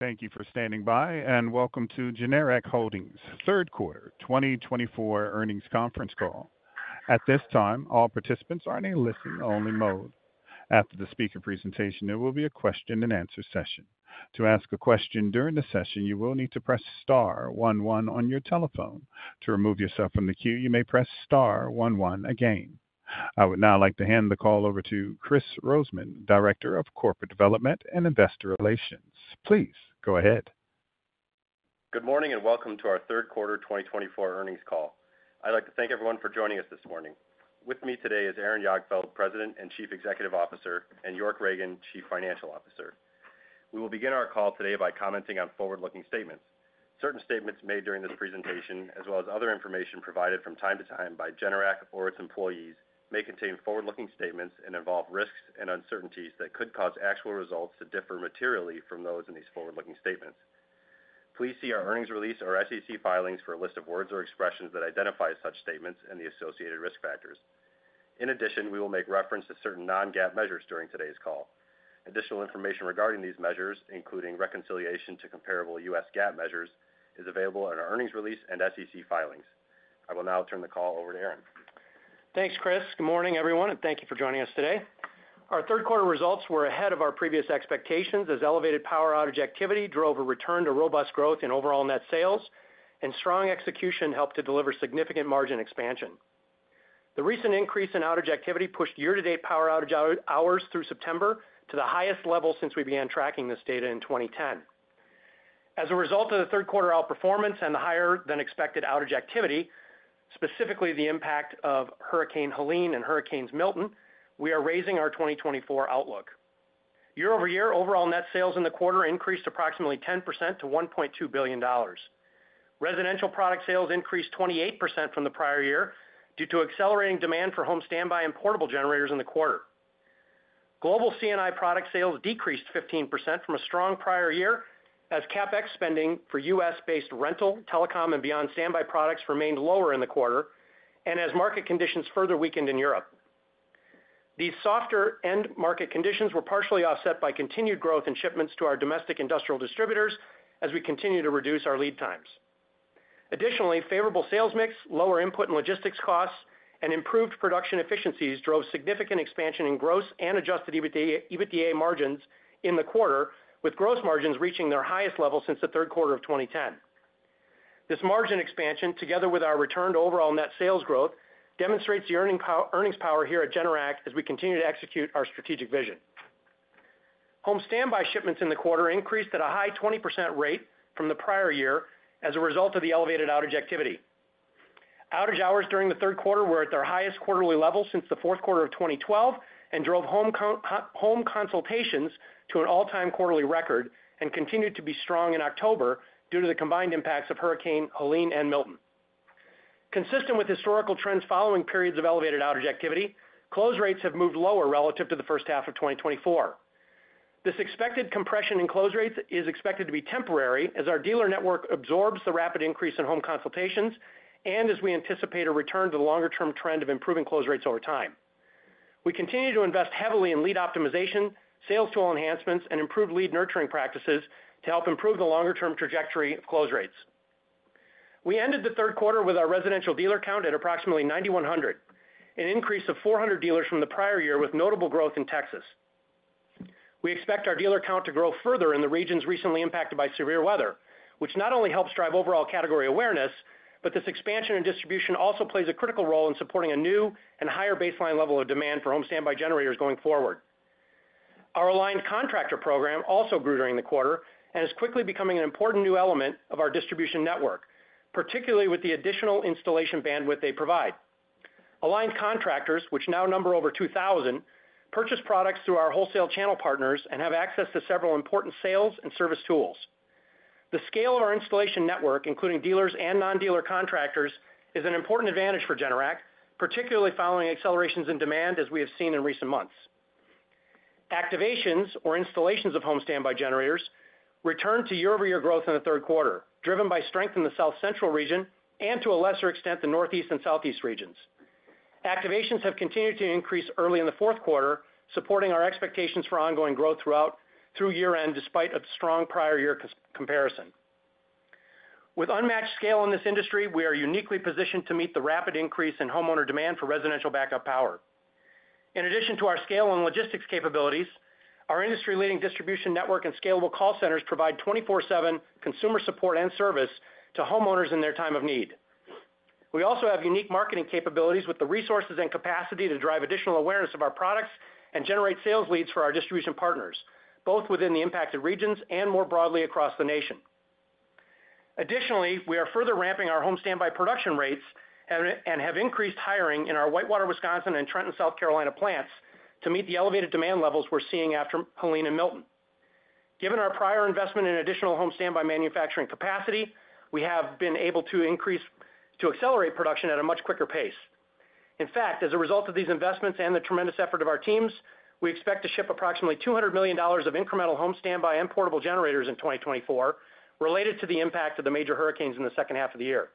Thank you for standing by, and welcome to Generac Holdings Third Quarter 2024 Earnings Conference Call. At this time, all participants are in a listen-only mode. After the speaker presentation, there will be a question-and-answer session. To ask a question during the session, you will need to press Star 11 on your telephone. To remove yourself from the queue, you may press Star 11 again. I would now like to hand the call over to Kris Rosemann, Director of Corporate Development and Investor Relations. Please go ahead. Good morning and welcome to our Third Quarter 2024 Earnings Call. I'd like to thank everyone for joining us this morning. With me today is Aaron Jagdfeld, President and Chief Executive Officer, and York Ragen, Chief Financial Officer. We will begin our call today by commenting on forward-looking statements. Certain statements made during this presentation, as well as other information provided from time to time by Generac or its employees, may contain forward-looking statements and involve risks and uncertainties that could cause actual results to differ materially from those in these forward-looking statements. Please see our earnings release or SEC filings for a list of words or expressions that identify such statements and the associated risk factors. In addition, we will make reference to certain non-GAAP measures during today's call. Additional information regarding these measures, including reconciliation to comparable U.S. GAAP measures, is available in our earnings release and SEC filings. I will now turn the call over to Aaron. Thanks, Kris. Good morning, everyone, and thank you for joining us today. Our third-quarter results were ahead of our previous expectations as elevated power outage activity drove a return to robust growth in overall net sales, and strong execution helped to deliver significant margin expansion. The recent increase in outage activity pushed year-to-date power outage hours through September to the highest level since we began tracking this data in 2010. As a result of the third-quarter outperformance and the higher-than-expected outage activity, specifically the impact of Hurricane Helene and Hurricanes Milton, we are raising our 2024 outlook. Year-over-year, overall net sales in the quarter increased approximately 10% to $1.2 billion. Residential product sales increased 28% from the prior year due to accelerating demand for home standby and portable generators in the quarter. Global C&I product sales decreased 15% from a strong prior year as CapEx spending for U.S.-based rental, telecom, and beyond standby products remained lower in the quarter and as market conditions further weakened in Europe. These softer end-market conditions were partially offset by continued growth in shipments to our domestic industrial distributors as we continue to reduce our lead times. Additionally, favorable sales mix, lower input and logistics costs, and improved production efficiencies drove significant expansion in gross and adjusted EBITDA margins in the quarter, with gross margins reaching their highest level since the third quarter of 2010. This margin expansion, together with our return to overall net sales growth, demonstrates the earnings power here at Generac as we continue to execute our strategic vision. Home standby shipments in the quarter increased at a high 20% rate from the prior year as a result of the elevated outage activity. Outage hours during the third quarter were at their highest quarterly level since the fourth quarter of 2012 and drove home consultations to an all-time quarterly record and continued to be strong in October due to the combined impacts of Hurricane Helene and Milton. Consistent with historical trends following periods of elevated outage activity, close rates have moved lower relative to the first half of 2024. This expected compression in close rates is expected to be temporary as our dealer network absorbs the rapid increase in home consultations and as we anticipate a return to the longer-term trend of improving close rates over time. We continue to invest heavily in lead optimization, sales tool enhancements, and improved lead nurturing practices to help improve the longer-term trajectory of close rates. We ended the third quarter with our residential dealer count at approximately 9,100, an increase of 400 dealers from the prior year with notable growth in Texas. We expect our dealer count to grow further in the regions recently impacted by severe weather, which not only helps drive overall category awareness, but this expansion in distribution also plays a critical role in supporting a new and higher baseline level of demand for home standby generators going forward. Our aligned contractor program also grew during the quarter and is quickly becoming an important new element of our distribution network, particularly with the additional installation bandwidth they provide. Aligned contractors, which now number over 2,000, purchase products through our wholesale channel partners and have access to several important sales and service tools. The scale of our installation network, including dealers and non-dealer contractors, is an important advantage for Generac, particularly following accelerations in demand as we have seen in recent months. Activations, or installations of home standby generators, returned to year-over-year growth in the third quarter, driven by strength in the South Central region and, to a lesser extent, the Northeast and Southeast regions. Activations have continued to increase early in the fourth quarter, supporting our expectations for ongoing growth throughout year-end despite a strong prior-year comparison. With unmatched scale in this industry, we are uniquely positioned to meet the rapid increase in homeowner demand for residential backup power. In addition to our scale and logistics capabilities, our industry-leading distribution network and scalable call centers provide 24/7 consumer support and service to homeowners in their time of need. We also have unique marketing capabilities with the resources and capacity to drive additional awareness of our products and generate sales leads for our distribution partners, both within the impacted regions and more broadly across the nation. Additionally, we are further ramping our home standby production rates and have increased hiring in our Whitewater, Wisconsin, and Trenton, South Carolina plants to meet the elevated demand levels we're seeing after Helene and Milton. Given our prior investment in additional home standby manufacturing capacity, we have been able to increase, to accelerate production at a much quicker pace. In fact, as a result of these investments and the tremendous effort of our teams, we expect to ship approximately $200 million of incremental home standby and portable generators in 2024 related to the impact of the major hurricanes in the second half of the year.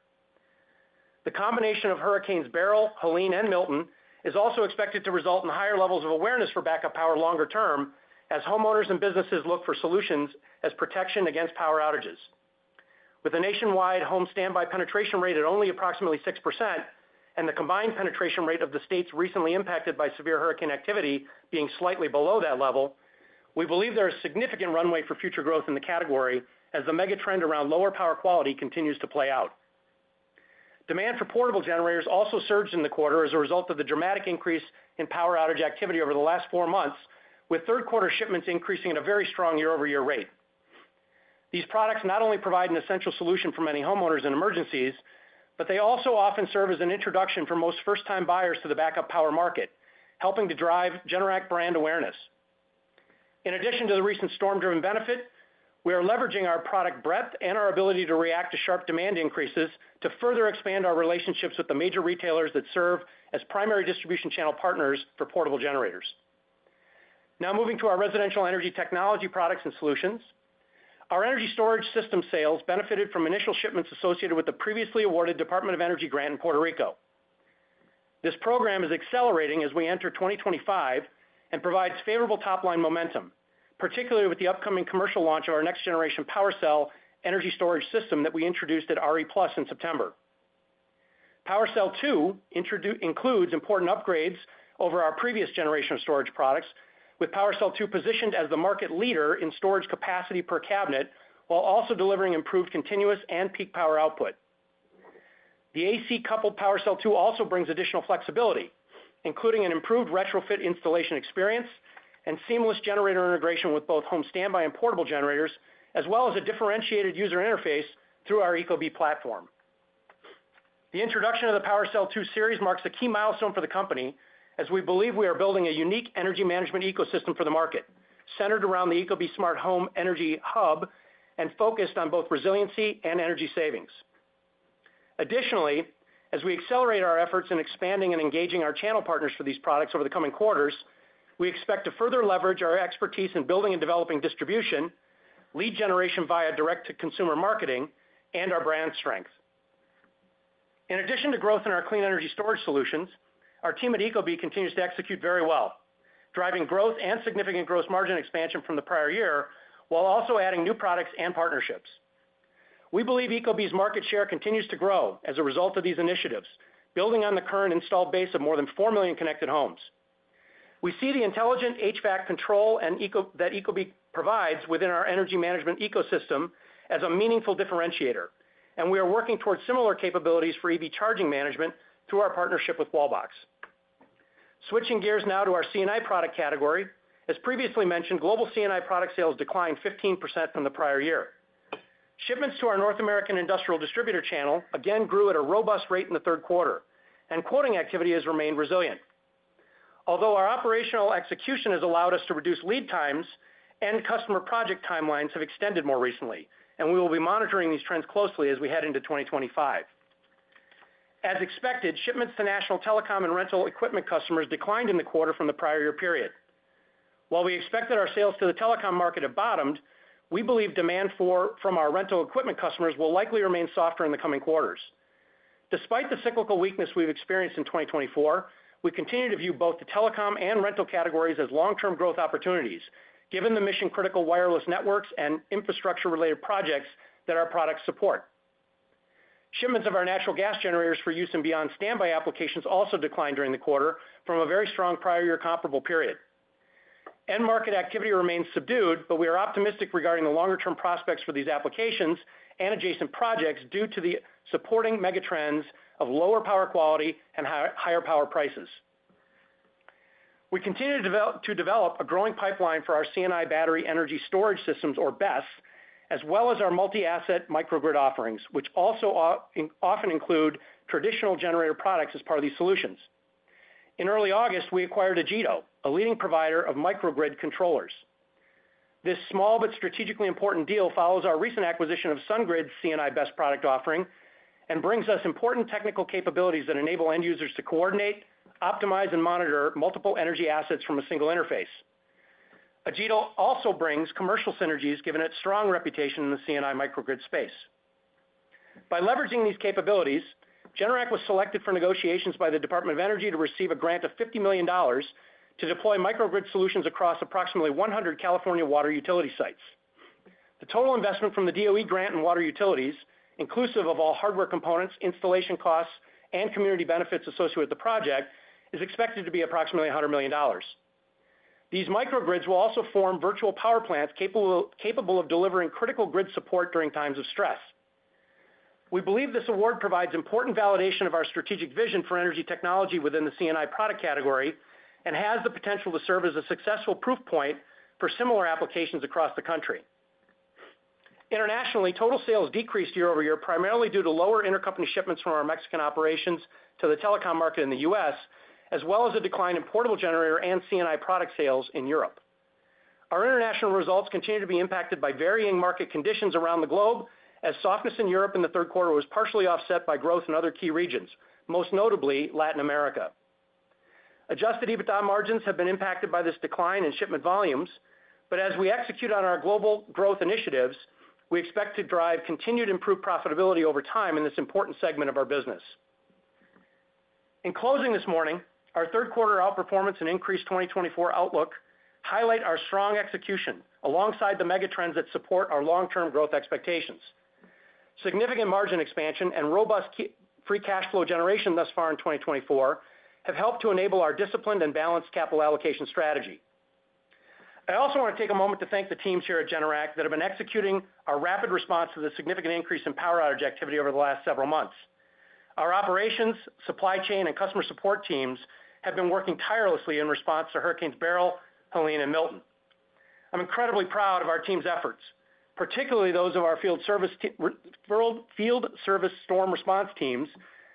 The combination of Hurricanes Beryl, Helene, and Milton is also expected to result in higher levels of awareness for backup power longer term as homeowners and businesses look for solutions as protection against power outages. With a nationwide home standby penetration rate at only approximately 6% and the combined penetration rate of the states recently impacted by severe hurricane activity being slightly below that level, we believe there is significant runway for future growth in the category as the megatrend around lower power quality continues to play out. Demand for portable generators also surged in the quarter as a result of the dramatic increase in power outage activity over the last four months, with third-quarter shipments increasing at a very strong year-over-year rate. These products not only provide an essential solution for many homeowners in emergencies, but they also often serve as an introduction for most first-time buyers to the backup power market, helping to drive Generac brand awareness. In addition to the recent storm-driven benefit, we are leveraging our product breadth and our ability to react to sharp demand increases to further expand our relationships with the major retailers that serve as primary distribution channel partners for portable generators. Now moving to our residential energy technology products and solutions, our energy storage system sales benefited from initial shipments associated with the previously awarded Department of Energy grant in Puerto Rico. This program is accelerating as we enter 2025 and provides favorable top-line momentum, particularly with the upcoming commercial launch of our next-generation PowerCell energy storage system that we introduced at RE+ in September. PWRcell 2 includes important upgrades over our previous generation of storage products, with PWRcell 2 positioned as the market leader in storage capacity per cabinet while also delivering improved continuous and peak power output. The AC-coupled PWRcell 2 also brings additional flexibility, including an improved retrofit installation experience and seamless generator integration with both home standby and portable generators, as well as a differentiated user interface through our Ecobee platform. The introduction of the PWRcell 2 series marks a key milestone for the company as we believe we are building a unique energy management ecosystem for the market, centered around the Ecobee Smart Home Energy Hub and focused on both resiliency and energy savings. Additionally, as we accelerate our efforts in expanding and engaging our channel partners for these products over the coming quarters, we expect to further leverage our expertise in building and developing distribution, lead generation via direct-to-consumer marketing, and our brand strength. In addition to growth in our clean energy storage solutions, our team at Ecobee continues to execute very well, driving growth and significant gross margin expansion from the prior year while also adding new products and partnerships. We believe Ecobee's market share continues to grow as a result of these initiatives, building on the current installed base of more than 4 million connected homes. We see the intelligent HVAC control that Ecobee provides within our energy management ecosystem as a meaningful differentiator, and we are working towards similar capabilities for EV charging management through our partnership with Wallbox. Switching gears now to our CNI product category, as previously mentioned, global CNI product sales declined 15% from the prior year. Shipments to our North American industrial distributor channel again grew at a robust rate in the third quarter, and quoting activity has remained resilient. Although our operational execution has allowed us to reduce lead times, end-customer project timelines have extended more recently, and we will be monitoring these trends closely as we head into 2025. As expected, shipments to national telecom and rental equipment customers declined in the quarter from the prior year period. While we expect that our sales to the telecom market have bottomed, we believe demand from our rental equipment customers will likely remain softer in the coming quarters. Despite the cyclical weakness we've experienced in 2024, we continue to view both the telecom and rental categories as long-term growth opportunities, given the mission-critical wireless networks and infrastructure-related projects that our products support. Shipments of our natural gas generators for use in beyond-standby applications also declined during the quarter from a very strong prior-year comparable period. End-market activity remains subdued, but we are optimistic regarding the longer-term prospects for these applications and adjacent projects due to the supporting megatrends of lower power quality and higher power prices. We continue to develop a growing pipeline for our CNI battery energy storage systems, or BESS, as well as our multi-asset microgrid offerings, which also often include traditional generator products as part of these solutions. In early August, we acquired Ageto, a leading provider of microgrid controllers. This small but strategically important deal follows our recent acquisition of SunGrid's CNI BESS product offering and brings us important technical capabilities that enable end users to coordinate, optimize, and monitor multiple energy assets from a single interface. Ageto also brings commercial synergies, given its strong reputation in the CNI microgrid space. By leveraging these capabilities, Generac was selected for negotiations by the Department of Energy to receive a grant of $50 million to deploy microgrid solutions across approximately 100 California water utility sites. The total investment from the DOE grant and water utilities, inclusive of all hardware components, installation costs, and community benefits associated with the project, is expected to be approximately $100 million. These microgrids will also form virtual power plants capable of delivering critical grid support during times of stress. We believe this award provides important validation of our strategic vision for energy technology within the CNI product category and has the potential to serve as a successful proof point for similar applications across the country. Internationally, total sales decreased year-over-year primarily due to lower intercompany shipments from our Mexican operations to the telecom market in the U.S., as well as a decline in portable generator and CNI product sales in Europe. Our international results continue to be impacted by varying market conditions around the globe as softness in Europe in the third quarter was partially offset by growth in other key regions, most notably Latin America. Adjusted EBITDA margins have been impacted by this decline in shipment volumes, but as we execute on our global growth initiatives, we expect to drive continued improved profitability over time in this important segment of our business. In closing this morning, our third-quarter outperformance and increased 2024 outlook highlight our strong execution alongside the megatrends that support our long-term growth expectations. Significant margin expansion and robust free cash flow generation thus far in 2024 have helped to enable our disciplined and balanced capital allocation strategy. I also want to take a moment to thank the teams here at Generac that have been executing our rapid response to the significant increase in power outage activity over the last several months. Our operations, supply chain, and customer support teams have been working tirelessly in response to Hurricanes Beryl, Helene, and Milton. I'm incredibly proud of our team's efforts, particularly those of our field service storm response teams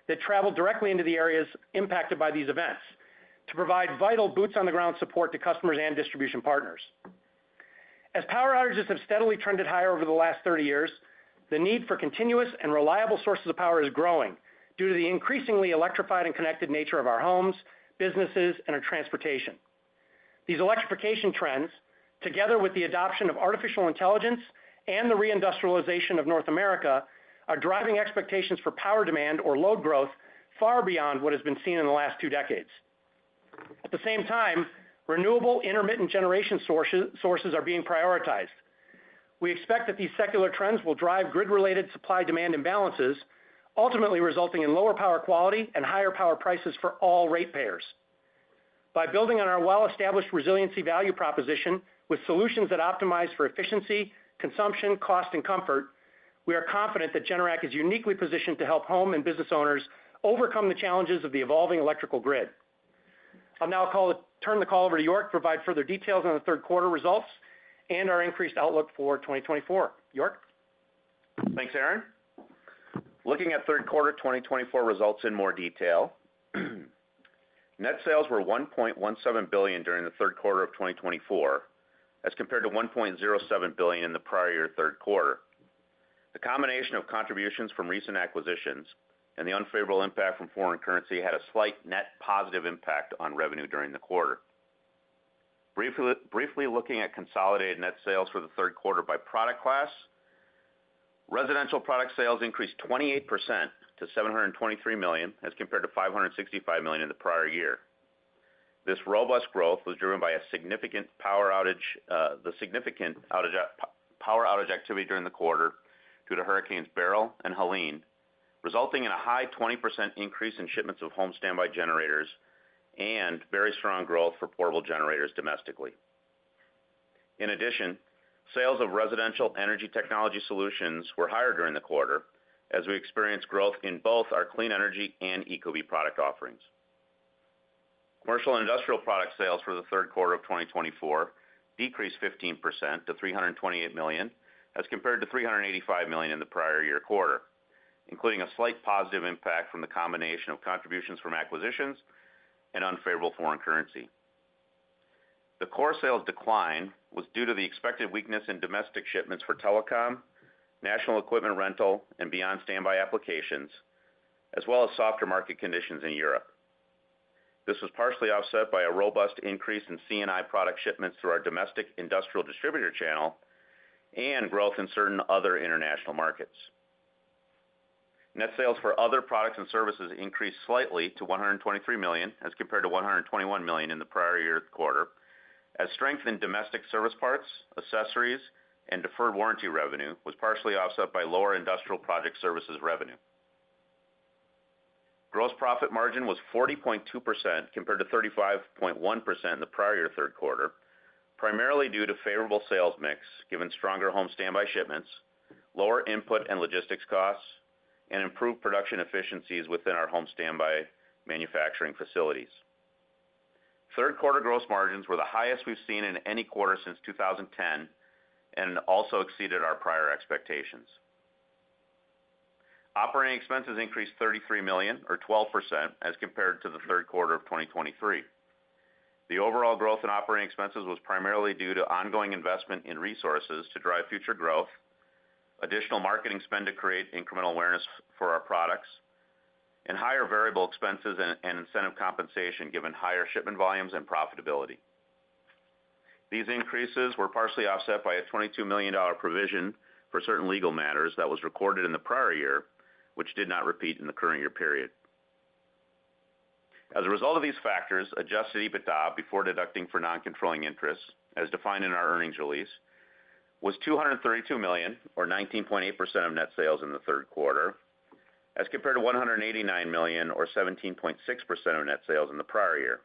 that traveled directly into the areas impacted by these events to provide vital boots-on-the-ground support to customers and distribution partners. As power outages have steadily trended higher over the last 30 years, the need for continuous and reliable sources of power is growing due to the increasingly electrified and connected nature of our homes, businesses, and our transportation. These electrification trends, together with the adoption of artificial intelligence and the reindustrialization of North America, are driving expectations for power demand or load growth far beyond what has been seen in the last two decades. At the same time, renewable intermittent generation sources are being prioritized. We expect that these secular trends will drive grid-related supply-demand imbalances, ultimately resulting in lower power quality and higher power prices for all ratepayers. By building on our well-established resiliency value proposition with solutions that optimize for efficiency, consumption, cost, and comfort, we are confident that Generac is uniquely positioned to help home and business owners overcome the challenges of the evolving electrical grid. I'll now turn the call over to York to provide further details on the third-quarter results and our increased outlook for 2024. York? Thanks, Aaron. Looking at third-quarter 2024 results in more detail, net sales were $1.17 billion during the third quarter of 2024 as compared to $1.07 billion in the prior year third quarter. The combination of contributions from recent acquisitions and the unfavorable impact from foreign currency had a slight net positive impact on revenue during the quarter. Briefly looking at consolidated net sales for the third quarter by product class, residential product sales increased 28% to $723 million as compared to $565 million in the prior year. This robust growth was driven by a significant power outage activity during the quarter due to Hurricanes Beryl and Helene, resulting in a high 20% increase in shipments of home standby generators and very strong growth for portable generators domestically. In addition, sales of residential energy technology solutions were higher during the quarter as we experienced growth in both our clean energy and Ecobee product offerings. Commercial and industrial product sales for the third quarter of 2024 decreased 15% to $328 million as compared to $385 million in the prior year quarter, including a slight positive impact from the combination of contributions from acquisitions and unfavorable foreign currency. The core sales decline was due to the expected weakness in domestic shipments for telecom, national equipment rental, and beyond-standby applications, as well as softer market conditions in Europe. This was partially offset by a robust increase in CNI product shipments through our domestic industrial distributor channel and growth in certain other international markets. Net sales for other products and services increased slightly to $123 million as compared to $121 million in the prior year quarter as strength in domestic service parts, accessories, and deferred warranty revenue was partially offset by lower industrial project services revenue. Gross profit margin was 40.2% compared to 35.1% in the prior year third quarter, primarily due to favorable sales mix given stronger home standby shipments, lower input and logistics costs, and improved production efficiencies within our home standby manufacturing facilities. Third-quarter gross margins were the highest we've seen in any quarter since 2010 and also exceeded our prior expectations. Operating expenses increased $33 million, or 12%, as compared to the third quarter of 2023. The overall growth in operating expenses was primarily due to ongoing investment in resources to drive future growth, additional marketing spend to create incremental awareness for our products, and higher variable expenses and incentive compensation given higher shipment volumes and profitability. These increases were partially offset by a $22 million provision for certain legal matters that was recorded in the prior year, which did not repeat in the current year period. As a result of these factors, adjusted EBITDA before deducting for non-controlling interest, as defined in our earnings release, was $232 million, or 19.8% of net sales in the third quarter, as compared to $189 million, or 17.6% of net sales in the prior year.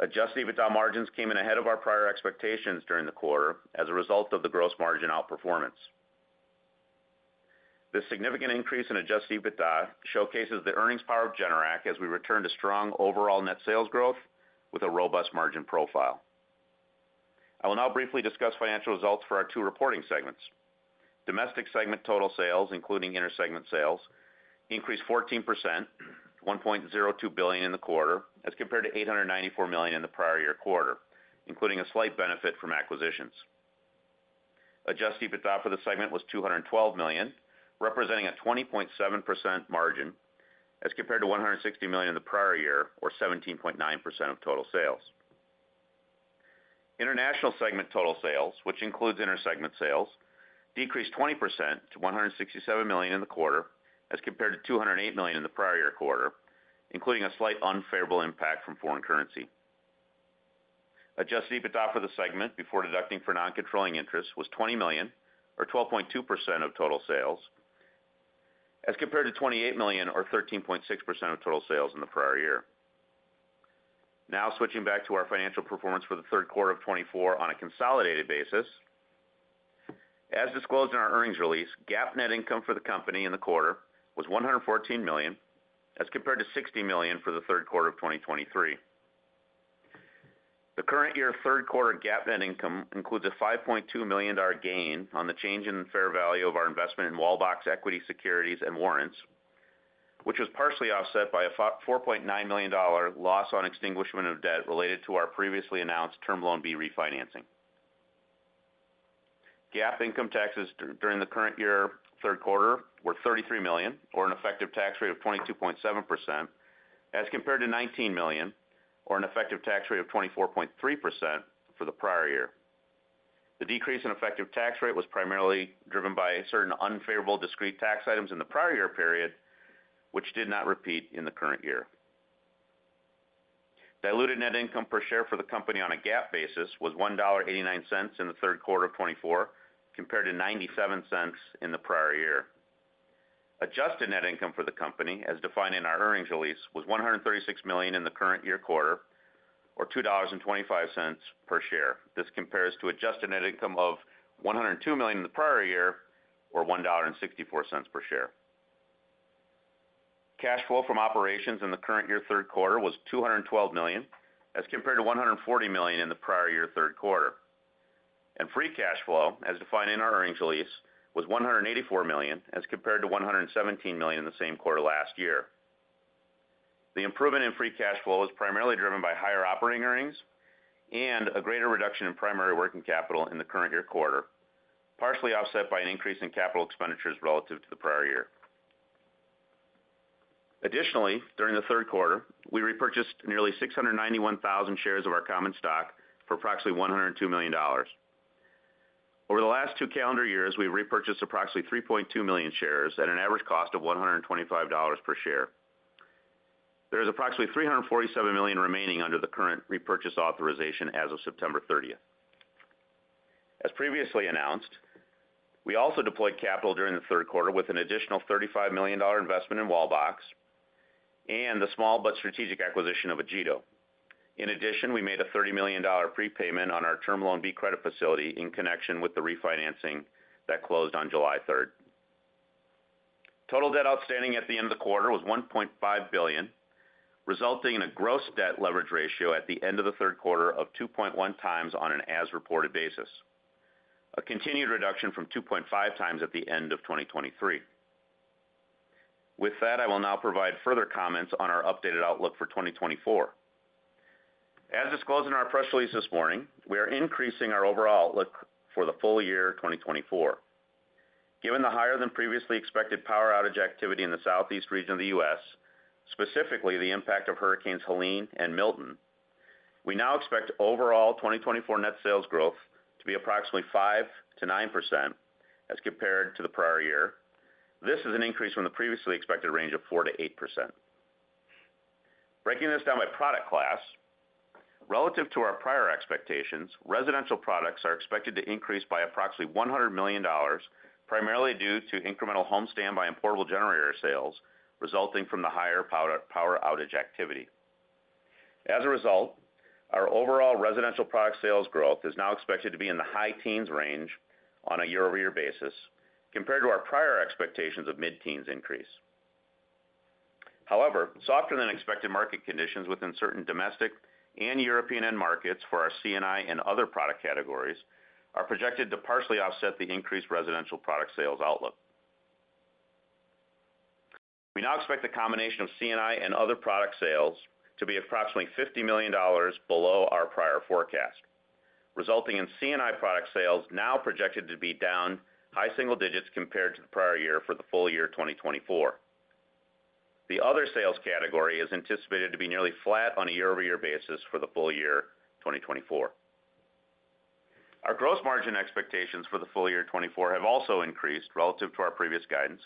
Adjusted EBITDA margins came in ahead of our prior expectations during the quarter as a result of the gross margin outperformance. This significant increase in Adjusted EBITDA showcases the earnings power of Generac as we return to strong overall net sales growth with a robust margin profile. I will now briefly discuss financial results for our two reporting segments. Domestic segment total sales, including intersegment sales, increased 14%, $1.02 billion in the quarter as compared to $894 million in the prior year quarter, including a slight benefit from acquisitions. Adjusted EBITDA for the segment was $212 million, representing a 20.7% margin as compared to $160 million in the prior year, or 17.9% of total sales. International segment total sales, which includes intersegment sales, decreased 20% to $167 million in the quarter as compared to $208 million in the prior year quarter, including a slight unfavorable impact from foreign currency. Adjusted EBITDA for the segment before deducting for non-controlling interest was $20 million, or 12.2% of total sales, as compared to $28 million, or 13.6% of total sales in the prior year. Now switching back to our financial performance for the third quarter of 2024 on a consolidated basis. As disclosed in our earnings release, GAAP net income for the company in the quarter was $114 million, as compared to $60 million for the third quarter of 2023. The current year third quarter GAAP net income includes a $5.2 million gain on the change in fair value of our investment in Wallbox Equity Securities and Warrants, which was partially offset by a $4.9 million loss on extinguishment of debt related to our previously announced Term Loan B refinancing. GAAP income taxes during the current year third quarter were $33 million, or an effective tax rate of 22.7%, as compared to $19 million, or an effective tax rate of 24.3% for the prior year. The decrease in effective tax rate was primarily driven by certain unfavorable discrete tax items in the prior year period, which did not repeat in the current year. Diluted net income per share for the company on a GAAP basis was $1.89 in the third quarter of 2024 compared to $0.97 in the prior year. Adjusted net income for the company, as defined in our earnings release, was $136 million in the current year quarter, or $2.25 per share. This compares to adjusted net income of $102 million in the prior year, or $1.64 per share. Cash flow from operations in the current year third quarter was $212 million, as compared to $140 million in the prior year third quarter. And free cash flow, as defined in our earnings release, was $184 million, as compared to $117 million in the same quarter last year. The improvement in free cash flow was primarily driven by higher operating earnings and a greater reduction in primary working capital in the current year quarter, partially offset by an increase in capital expenditures relative to the prior year. Additionally, during the third quarter, we repurchased nearly 691,000 shares of our common stock for approximately $102 million. Over the last two calendar years, we've repurchased approximately 3.2 million shares at an average cost of $125 per share. There is approximately $347 million remaining under the current repurchase authorization as of September 30th. As previously announced, we also deployed capital during the third quarter with an additional $35 million investment in Wallbox and the small but strategic acquisition of Ageto. In addition, we made a $30 million prepayment on our Term Loan B credit facility in connection with the refinancing that closed on July 3rd. Total debt outstanding at the end of the quarter was $1.5 billion, resulting in a gross debt leverage ratio at the end of the third quarter of 2.1 times on an as-reported basis, a continued reduction from 2.5 times at the end of 2023. With that, I will now provide further comments on our updated outlook for 2024. As disclosed in our press release this morning, we are increasing our overall outlook for the full year 2024. Given the higher-than-previously-expected power outage activity in the Southeast region of the U.S., specifically the impact of Hurricanes Helene and Milton, we now expect overall 2024 net sales growth to be approximately 5%-9% as compared to the prior year. This is an increase from the previously expected range of 4%-8%. Breaking this down by product class, relative to our prior expectations, residential products are expected to increase by approximately $100 million, primarily due to incremental home standby and portable generator sales resulting from the higher power outage activity. As a result, our overall residential product sales growth is now expected to be in the high teens range on a year-over-year basis compared to our prior expectations of mid-teens increase. However, softer-than-expected market conditions within certain domestic and European markets for our CNI and other product categories are projected to partially offset the increased residential product sales outlook. We now expect the combination of CNI and other product sales to be approximately $50 million below our prior forecast, resulting in CNI product sales now projected to be down high single digits compared to the prior year for the full year 2024. The other sales category is anticipated to be nearly flat on a year-over-year basis for the full year 2024. Our gross margin expectations for the full year 2024 have also increased relative to our previous guidance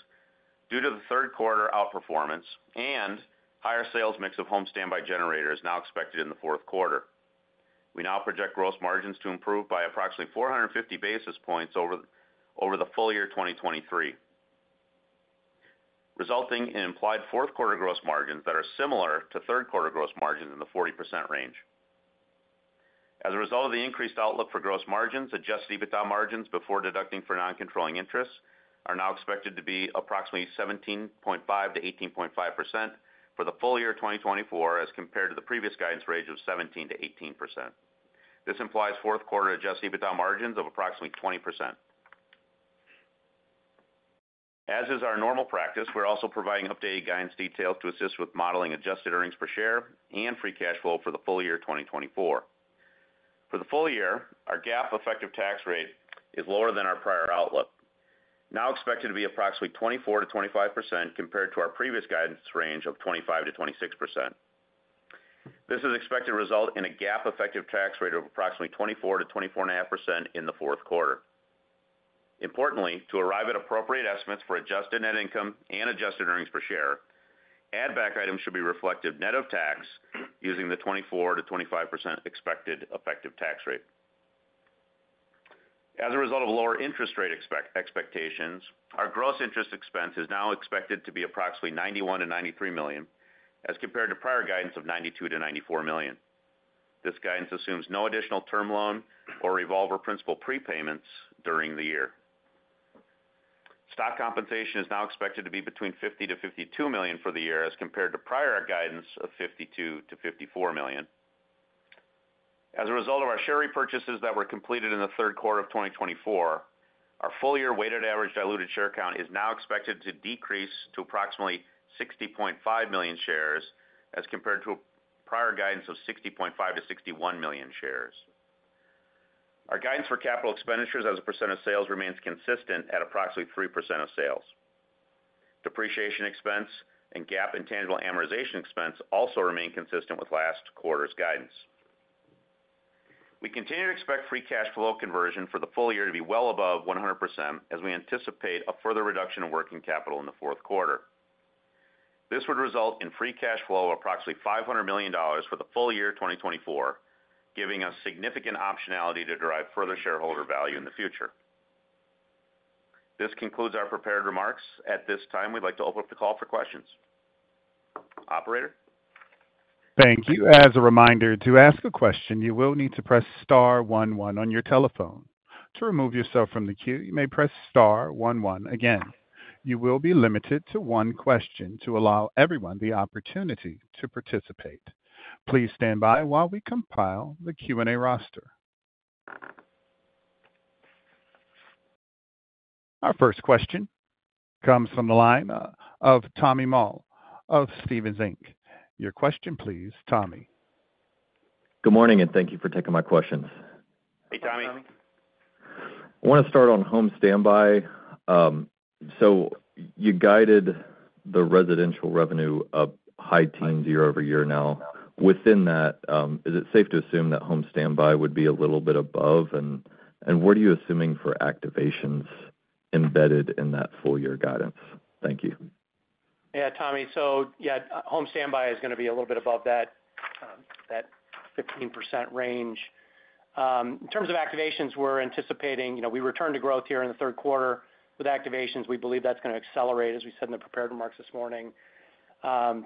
due to the third quarter outperformance and higher sales mix of home standby generators now expected in the fourth quarter. We now project gross margins to improve by approximately 450 basis points over the full year 2023, resulting in implied fourth quarter gross margins that are similar to third quarter gross margins in the 40% range. As a result of the increased outlook for gross margins, Adjusted EBITDA margins before deducting for non-controlling interest are now expected to be approximately 17.5%-18.5% for the full year 2024 as compared to the previous guidance range of 17%-18%. This implies fourth quarter Adjusted EBITDA margins of approximately 20%. As is our normal practice, we're also providing updated guidance details to assist with modeling adjusted earnings per share and Free Cash Flow for the full year 2024. For the full year, our GAAP effective tax rate is lower than our prior outlook, now expected to be approximately 24%-25% compared to our previous guidance range of 25%-26%. This is expected to result in a GAAP effective tax rate of approximately 24% to 24.5% in the fourth quarter. Importantly, to arrive at appropriate estimates for adjusted net income and adjusted earnings per share, add-back items should be reflected net of tax using the 24% to 25% expected effective tax rate. As a result of lower interest rate expectations, our gross interest expense is now expected to be approximately $91 million to $93 million as compared to prior guidance of $92 million to $94 million. This guidance assumes no additional term loan or revolver principal prepayments during the year. Stock compensation is now expected to be between $50 million to $52 million for the year as compared to prior guidance of $52 million to $54 million. As a result of our share repurchases that were completed in the third quarter of 2024, our full year weighted average diluted share count is now expected to decrease to approximately 60.5 million shares as compared to prior guidance of 60.5 million-61 million shares. Our guidance for capital expenditures as a % of sales remains consistent at approximately 3% of sales. Depreciation expense and GAAP intangible amortization expense also remain consistent with last quarter's guidance. We continue to expect free cash flow conversion for the full year to be well above 100% as we anticipate a further reduction in working capital in the fourth quarter. This would result in free cash flow of approximately $500 million for the full year 2024, giving us significant optionality to derive further shareholder value in the future. This concludes our prepared remarks. At this time, we'd like to open up the call for questions. Operator. Thank you. As a reminder, to ask a question, you will need to press star 11 on your telephone. To remove yourself from the queue, you may press star 11 again. You will be limited to one question to allow everyone the opportunity to participate. Please stand by while we compile the Q&A roster. Our first question comes from the line of Tommy Moll of Stephens Inc. Your question, please, Tommy. Good morning, and thank you for taking my questions. Hey, Tommy. I want to start on home standby. So you guided the residential revenue up high teens year over year now. Within that, is it safe to assume that home standby would be a little bit above? And what are you assuming for activations embedded in that full year guidance? Thank you. Yeah, Tommy. So yeah, home standby is going to be a little bit above that 15% range. In terms of activations, we're anticipating we returned to growth here in the third quarter with activations. We believe that's going to accelerate, as we said in the prepared remarks this morning,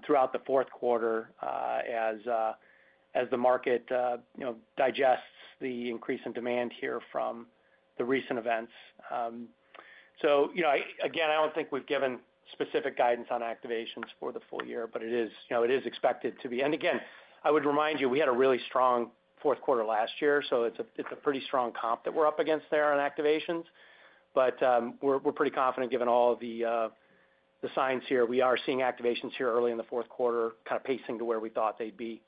throughout the fourth quarter as the market digests the increase in demand here from the recent events. So again, I don't think we've given specific guidance on activations for the full year, but it is expected to be. And again, I would remind you, we had a really strong fourth quarter last year. So it's a pretty strong comp that we're up against there on activations. But we're pretty confident given all the signs here. We are seeing activations here early in the fourth quarter kind of pacing to where we thought they'd be.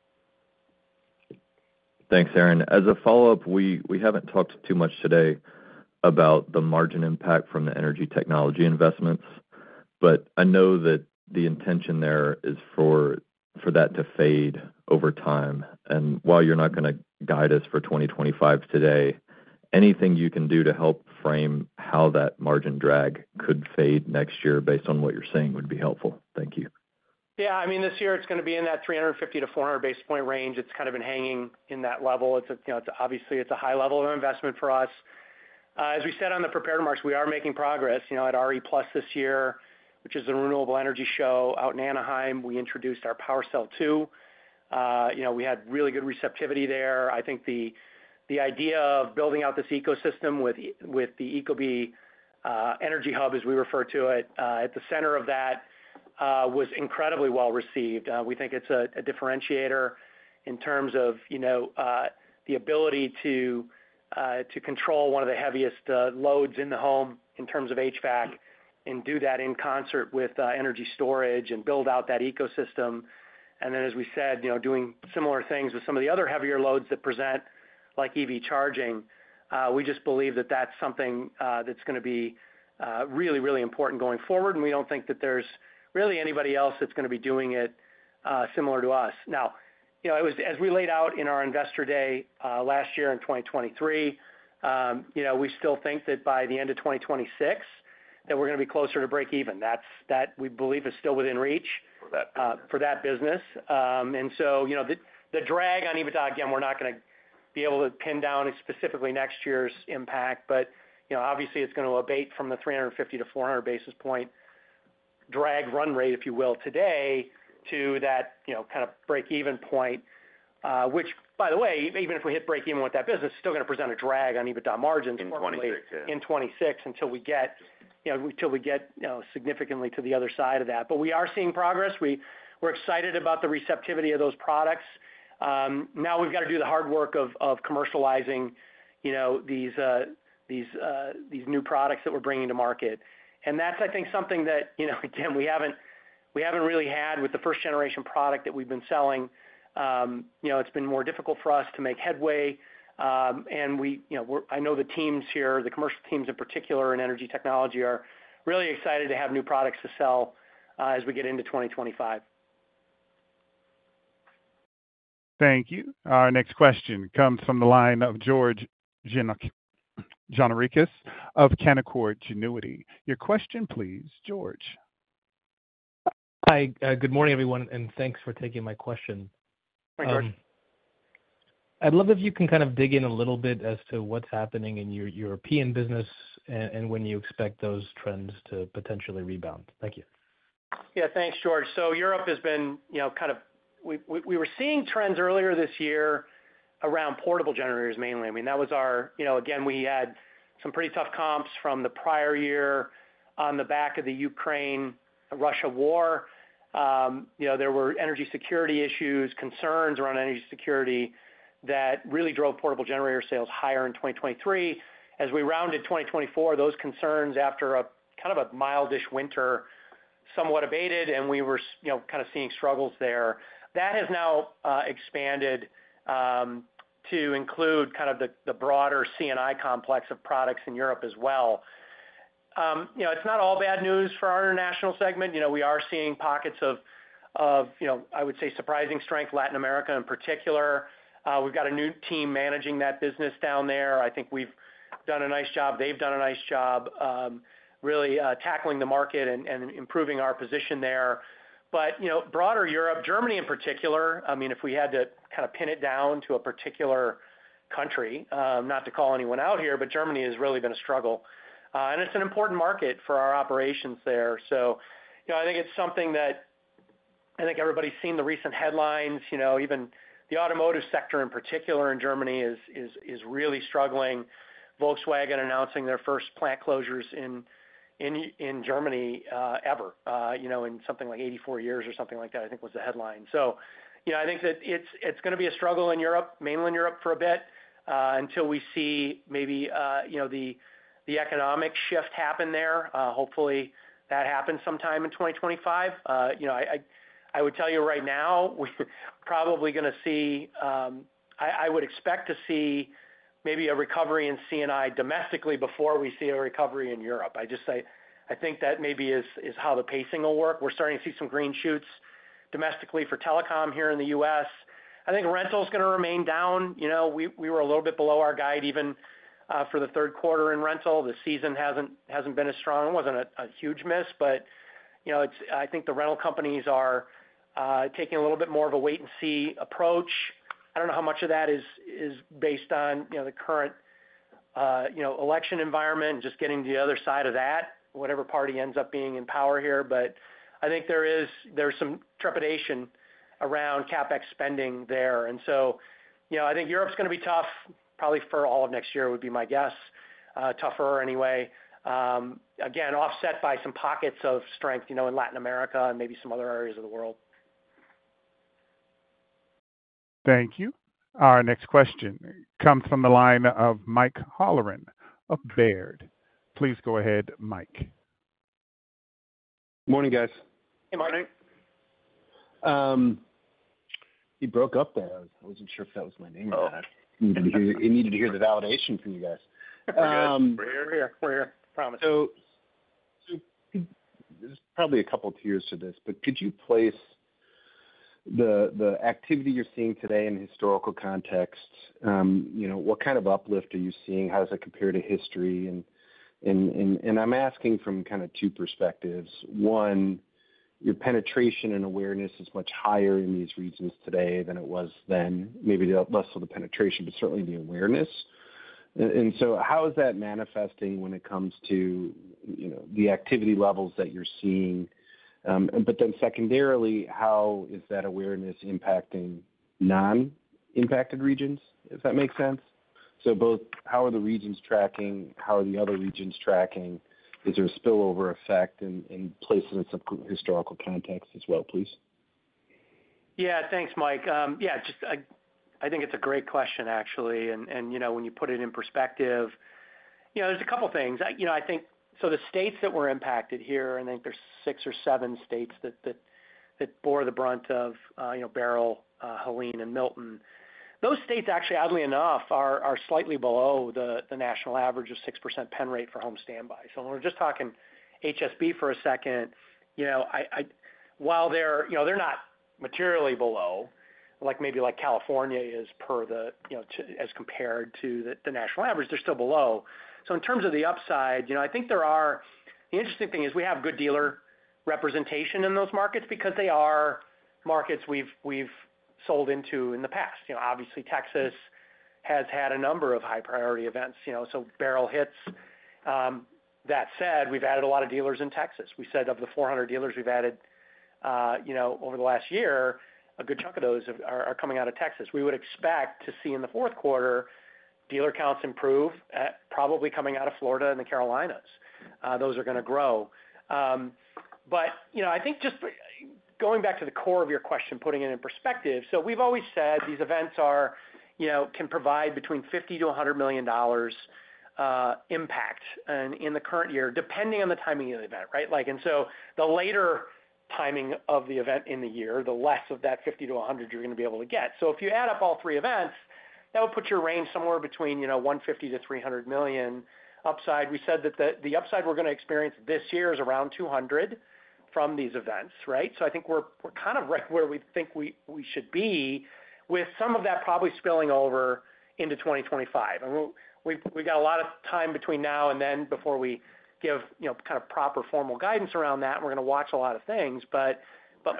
Thanks, Aaron. As a follow-up, we haven't talked too much today about the margin impact from the energy technology investments, but I know that the intention there is for that to fade over time, and while you're not going to guide us for 2025 today, anything you can do to help frame how that margin drag could fade next year based on what you're saying would be helpful. Thank you. Yeah, I mean, this year it's going to be in that 350-400 basis points range. It's kind of been hanging in that level. Obviously, it's a high level of investment for us. As we said on the prepared remarks, we are making progress. At RE+ this year, which is the renewable energy show out in Anaheim, we introduced our PWRcell 2. We had really good receptivity there. I think the idea of building out this ecosystem with the Ecobee energy hub, as we refer to it, at the center of that was incredibly well received. We think it's a differentiator in terms of the ability to control one of the heaviest loads in the home in terms of HVAC and do that in concert with energy storage and build out that ecosystem. And then, as we said, doing similar things with some of the other heavier loads that present like EV charging, we just believe that that's something that's going to be really, really important going forward. And we don't think that there's really anybody else that's going to be doing it similar to us. Now, as we laid out in our investor day last year in 2023, we still think that by the end of 2026 that we're going to be closer to break even. That we believe is still within reach for that business. And so the drag on EBITDA, again, we're not going to be able to pin down specifically next year's impact, but obviously, it's going to abate from the 350-400 basis points drag run rate, if you will, today to that kind of break-even point, which, by the way, even if we hit break-even with that business, it's still going to present a drag on EBITDA margins in 2026 until we get significantly to the other side of that. But we are seeing progress. We're excited about the receptivity of those products. Now we've got to do the hard work of commercializing these new products that we're bringing to market. And that's, I think, something that, again, we haven't really had with the first-generation product that we've been selling. It's been more difficult for us to make headway. I know the teams here, the commercial teams in particular in energy technology, are really excited to have new products to sell as we get into 2025. Thank you. Our next question comes from the line of George Gianarikas of Canaccord Genuity. Your question, please, George. Hi, good morning, everyone, and thanks for taking my question. Hi, George. I'd love if you can kind of dig in a little bit as to what's happening in your European business and when you expect those trends to potentially rebound. Thank you. Yeah, thanks, George. Europe has been kind of. We were seeing trends earlier this year around portable generators, mainly. I mean, that was our again, we had some pretty tough comps from the prior year on the back of the Ukraine-Russia war. There were energy security issues, concerns around energy security that really drove portable generator sales higher in 2023. As we rounded 2024, those concerns after a kind of a mildish winter somewhat abated, and we were kind of seeing struggles there. That has now expanded to include kind of the broader CNI complex of products in Europe as well. It's not all bad news for our international segment. We are seeing pockets of, I would say, surprising strength, Latin America in particular. We've got a new team managing that business down there. I think we've done a nice job. They've done a nice job really tackling the market and improving our position there. But broader Europe, Germany in particular, I mean, if we had to kind of pin it down to a particular country, not to call anyone out here, but Germany has really been a struggle. And it's an important market for our operations there. So I think it's something that I think everybody's seen the recent headlines. Even the automotive sector in particular in Germany is really struggling. Volkswagen announcing their first plant closures in Germany ever in something like 84 years or something like that, I think was the headline. So I think that it's going to be a struggle in Europe, mainland Europe for a bit until we see maybe the economic shift happen there. Hopefully, that happens sometime in 2025. I would tell you right now, we're probably going to see I would expect to see maybe a recovery in CNI domestically before we see a recovery in Europe. I just say I think that maybe is how the pacing will work. We're starting to see some green shoots domestically for telecom here in the U.S. I think rental is going to remain down. We were a little bit below our guide even for the third quarter in rental. The season hasn't been as strong. It wasn't a huge miss, but I think the rental companies are taking a little bit more of a wait-and-see approach. I don't know how much of that is based on the current election environment and just getting to the other side of that, whatever party ends up being in power here. But I think there's some trepidation around CapEx spending there. And so I think Europe's going to be tough probably for all of next year, would be my guess, tougher anyway. Again, offset by some pockets of strength in Latin America and maybe some other areas of the world. Thank you. Our next question comes from the line of Mike Halloran of Baird. Please go ahead, Mike. Morning, guys. Hey, morning. He broke up there. I wasn't sure if that was my name or not. He needed to hear the validation from you guys. We're here. We're here. We're here. Promise. So there's probably a couple of tiers to this, but could you place the activity you're seeing today in historical context? What kind of uplift are you seeing? How does it compare to history? And I'm asking from kind of two perspectives. One, your penetration and awareness is much higher in these regions today than it was then. Maybe less of the penetration, but certainly the awareness. And so how is that manifesting when it comes to the activity levels that you're seeing? But then secondarily, how is that awareness impacting non-impacted regions, if that makes sense? So both how are the regions tracking? How are the other regions tracking? Is there a spillover effect in places in some historical context as well, please? Yeah, thanks, Mike. Yeah, I think it's a great question, actually. And when you put it in perspective, there's a couple of things. I think, so the states that were impacted here, I think there's six or seven states that bore the brunt of Beryl, Helene, and Milton. Those states, actually, oddly enough, are slightly below the national average of 6% pen rate for home standby. So when we're just talking HSB for a second, while they're not materially below, like maybe California is per se as compared to the national average, they're still below. So in terms of the upside, I think the interesting thing is we have good dealer representation in those markets because they are markets we've sold into in the past. Obviously, Texas has had a number of high-priority events. Beryl hits. That said, we've added a lot of dealers in Texas. We said of the 400 dealers we've added over the last year, a good chunk of those are coming out of Texas. We would expect to see in the fourth quarter dealer counts improve, probably coming out of Florida and the Carolinas. Those are going to grow. But I think just going back to the core of your question, putting it in perspective, so we've always said these events can provide between $50 million-$100 million impact in the current year, depending on the timing of the event, right? And so the later timing of the event in the year, the less of that $50 million-$100 million you're going to be able to get. So if you add up all three events, that would put your range somewhere between $150 million-$300 million upside. We said that the upside we're going to experience this year is around 200 from these events, right? So I think we're kind of right where we think we should be with some of that probably spilling over into 2025. We've got a lot of time between now and then before we give kind of proper formal guidance around that. We're going to watch a lot of things, but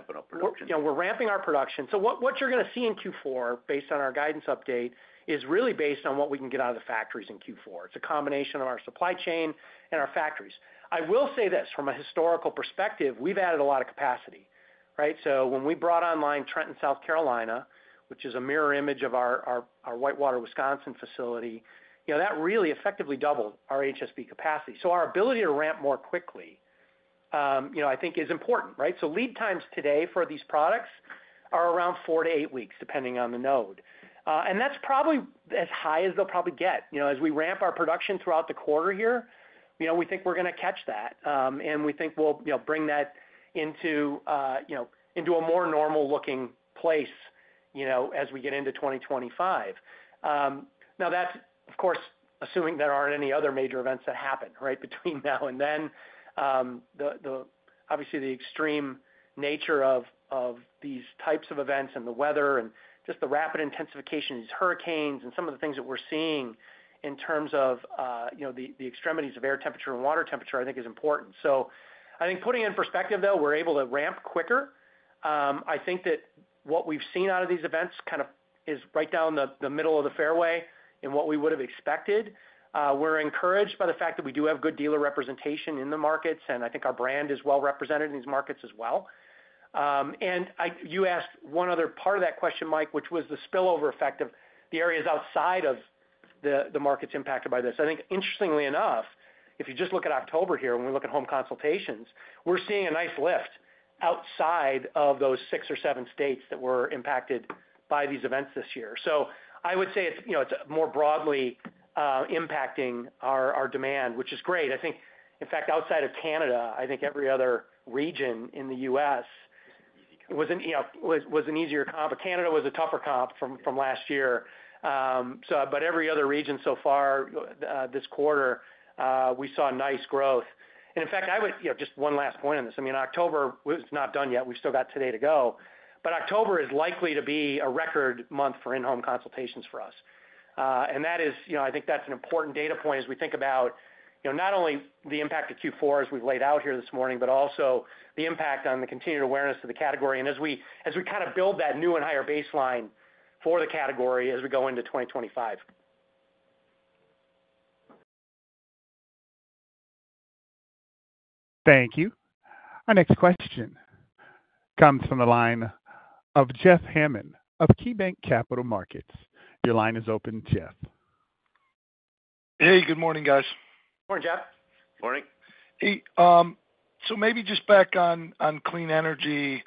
we're ramping our production. So what you're going to see in Q4, based on our guidance update, is really based on what we can get out of the factories in Q4. It's a combination of our supply chain and our factories. I will say this, from a historical perspective, we've added a lot of capacity, right? So when we brought online Trenton, South Carolina, which is a mirror image of our Whitewater, Wisconsin facility, that really effectively doubled our HSB capacity. So our ability to ramp more quickly, I think, is important, right? So lead times today for these products are around four to eight weeks, depending on the node. And that's probably as high as they'll probably get. As we ramp our production throughout the quarter here, we think we're going to catch that. And we think we'll bring that into a more normal-looking place as we get into 2025. Now, that's, of course, assuming there aren't any other major events that happen, right, between now and then. Obviously, the extreme nature of these types of events and the weather and just the rapid intensification of these hurricanes and some of the things that we're seeing in terms of the extremities of air temperature and water temperature, I think, is important. So I think putting in perspective, though, we're able to ramp quicker. I think that what we've seen out of these events kind of is right down the middle of the fairway in what we would have expected. We're encouraged by the fact that we do have good dealer representation in the markets, and I think our brand is well represented in these markets as well, and you asked one other part of that question, Mike, which was the spillover effect of the areas outside of the markets impacted by this. I think, interestingly enough, if you just look at October here and we look at home consultations, we're seeing a nice lift outside of those six or seven states that were impacted by these events this year, so I would say it's more broadly impacting our demand, which is great. I think, in fact, outside of Canada, I think every other region in the U.S. was an easier comp. Canada was a tougher comp from last year. But every other region so far this quarter, we saw nice growth. And in fact, I would just one last point on this. I mean, October is not done yet. We've still got today to go. But October is likely to be a record month for in-home consultations for us. And I think that's an important data point as we think about not only the impact of Q4 as we've laid out here this morning, but also the impact on the continued awareness of the category and as we kind of build that new and higher baseline for the category as we go into 2025. Thank you. Our next question comes from the line of Jeff Hammond of KeyBanc Capital Markets. Your line is open, Jeff. Hey, good morning, guys. Morning, Jeff. Morning. Hey. So maybe just back on clean energy,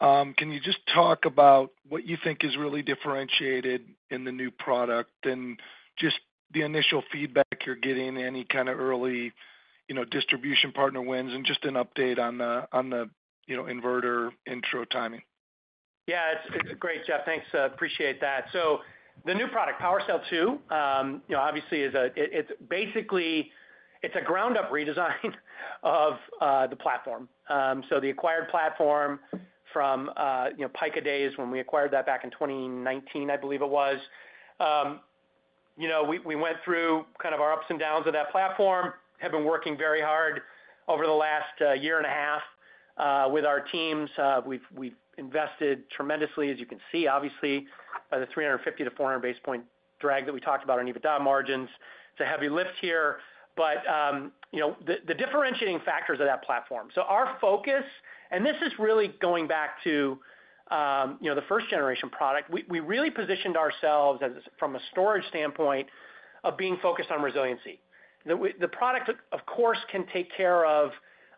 can you just talk about what you think is really differentiated in the new product and just the initial feedback you're getting, any kind of early distribution partner wins, and just an update on the inverter intro timing? Yeah, it's great, Jeff. Thanks. Appreciate that. So the new product, PowerCell 2, obviously, it's basically a ground-up redesign of the platform. So the acquired platform from Pika when we acquired that back in 2019, I believe it was. We went through kind of our ups and downs of that platform, have been working very hard over the last year and a half with our teams. We've invested tremendously, as you can see, obviously, by the 350-400 basis point drag that we talked about on EBITDA margins. It's a heavy lift here. But the differentiating factors of that platform. Our focus, and this is really going back to the first-generation product, we really positioned ourselves from a storage standpoint of being focused on resiliency. The product, of course, can take care of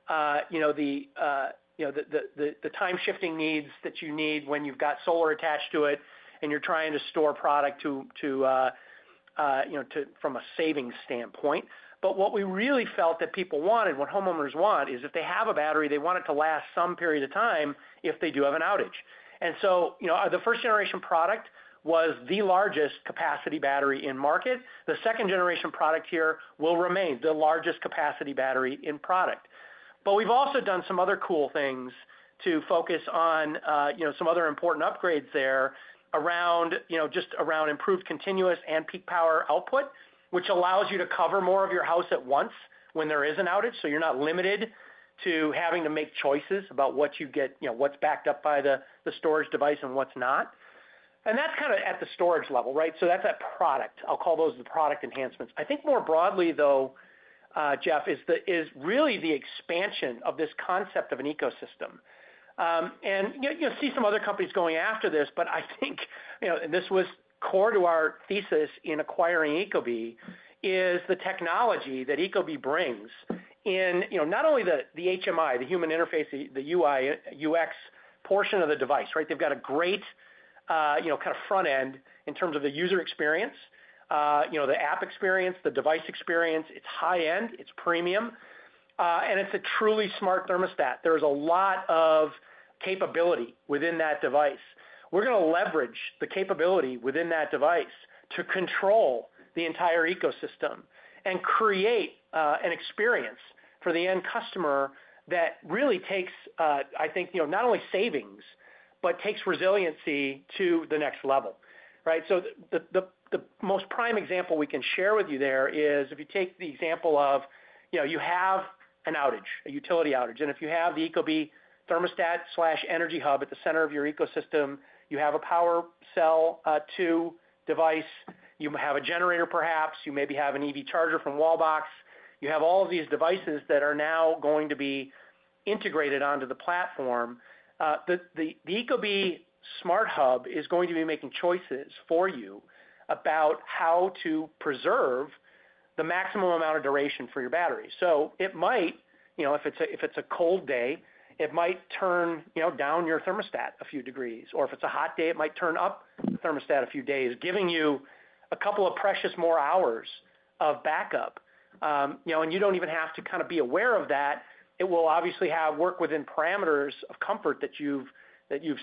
the time-shifting needs that you need when you've got solar attached to it and you're trying to store power from a savings standpoint. But what we really felt that people wanted, what homeowners want, is if they have a battery, they want it to last some period of time if they do have an outage. So the first-generation product was the largest capacity battery in the market. The second-generation product here will remain the largest capacity battery in the market. But we've also done some other cool things to focus on some other important upgrades there just around improved continuous and peak power output, which allows you to cover more of your house at once when there is an outage. So you're not limited to having to make choices about what you get, what's backed up by the storage device and what's not. And that's kind of at the storage level, right? So that's that product. I'll call those the product enhancements. I think more broadly, though, Jeff, is really the expansion of this concept of an ecosystem. And you'll see some other companies going after this, but I think, and this was core to our thesis in acquiring Ecobee, is the technology that Ecobee brings in not only the HMI, the human interface, the UI, UX portion of the device, right? They've got a great kind of front end in terms of the user experience, the app experience, the device experience. It's high-end. It's premium. And it's a truly smart thermostat. There is a lot of capability within that device. We're going to leverage the capability within that device to control the entire ecosystem and create an experience for the end customer that really takes, I think, not only savings, but takes resiliency to the next level, right? So the most prime example we can share with you there is if you take the example of you have an outage, a utility outage. And if you have the Ecobee thermostat/energy hub at the center of your ecosystem, you have a PWRcell 2 device, you have a generator, perhaps, you maybe have an EV charger from Wallbox. You have all of these devices that are now going to be integrated onto the platform. The Ecobee smart hub is going to be making choices for you about how to preserve the maximum amount of duration for your battery. So it might, if it's a cold day, it might turn down your thermostat a few degrees. Or if it's a hot day, it might turn up the thermostat a few degrees, giving you a couple of precious more hours of backup. And you don't even have to kind of be aware of that. It will obviously work within parameters of comfort that you've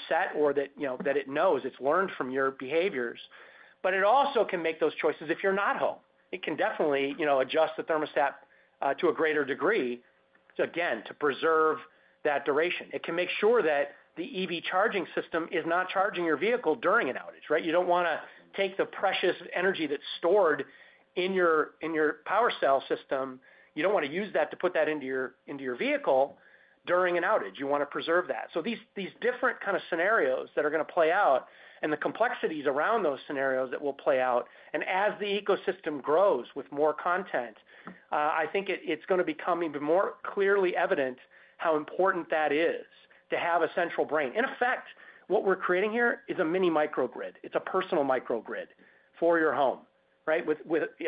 set or that it knows. It's learned from your behaviors. But it also can make those choices if you're not home. It can definitely adjust the thermostat to a greater degree, again, to preserve that duration. It can make sure that the EV charging system is not charging your vehicle during an outage, right? You don't want to take the precious energy that's stored in your PWRcell system. You don't want to use that to put that into your vehicle during an outage. You want to preserve that. So these different kind of scenarios that are going to play out and the complexities around those scenarios that will play out. And as the ecosystem grows with more content, I think it's going to become even more clearly evident how important that is to have a central brain. In effect, what we're creating here is a mini microgrid. It's a personal microgrid for your home, right, with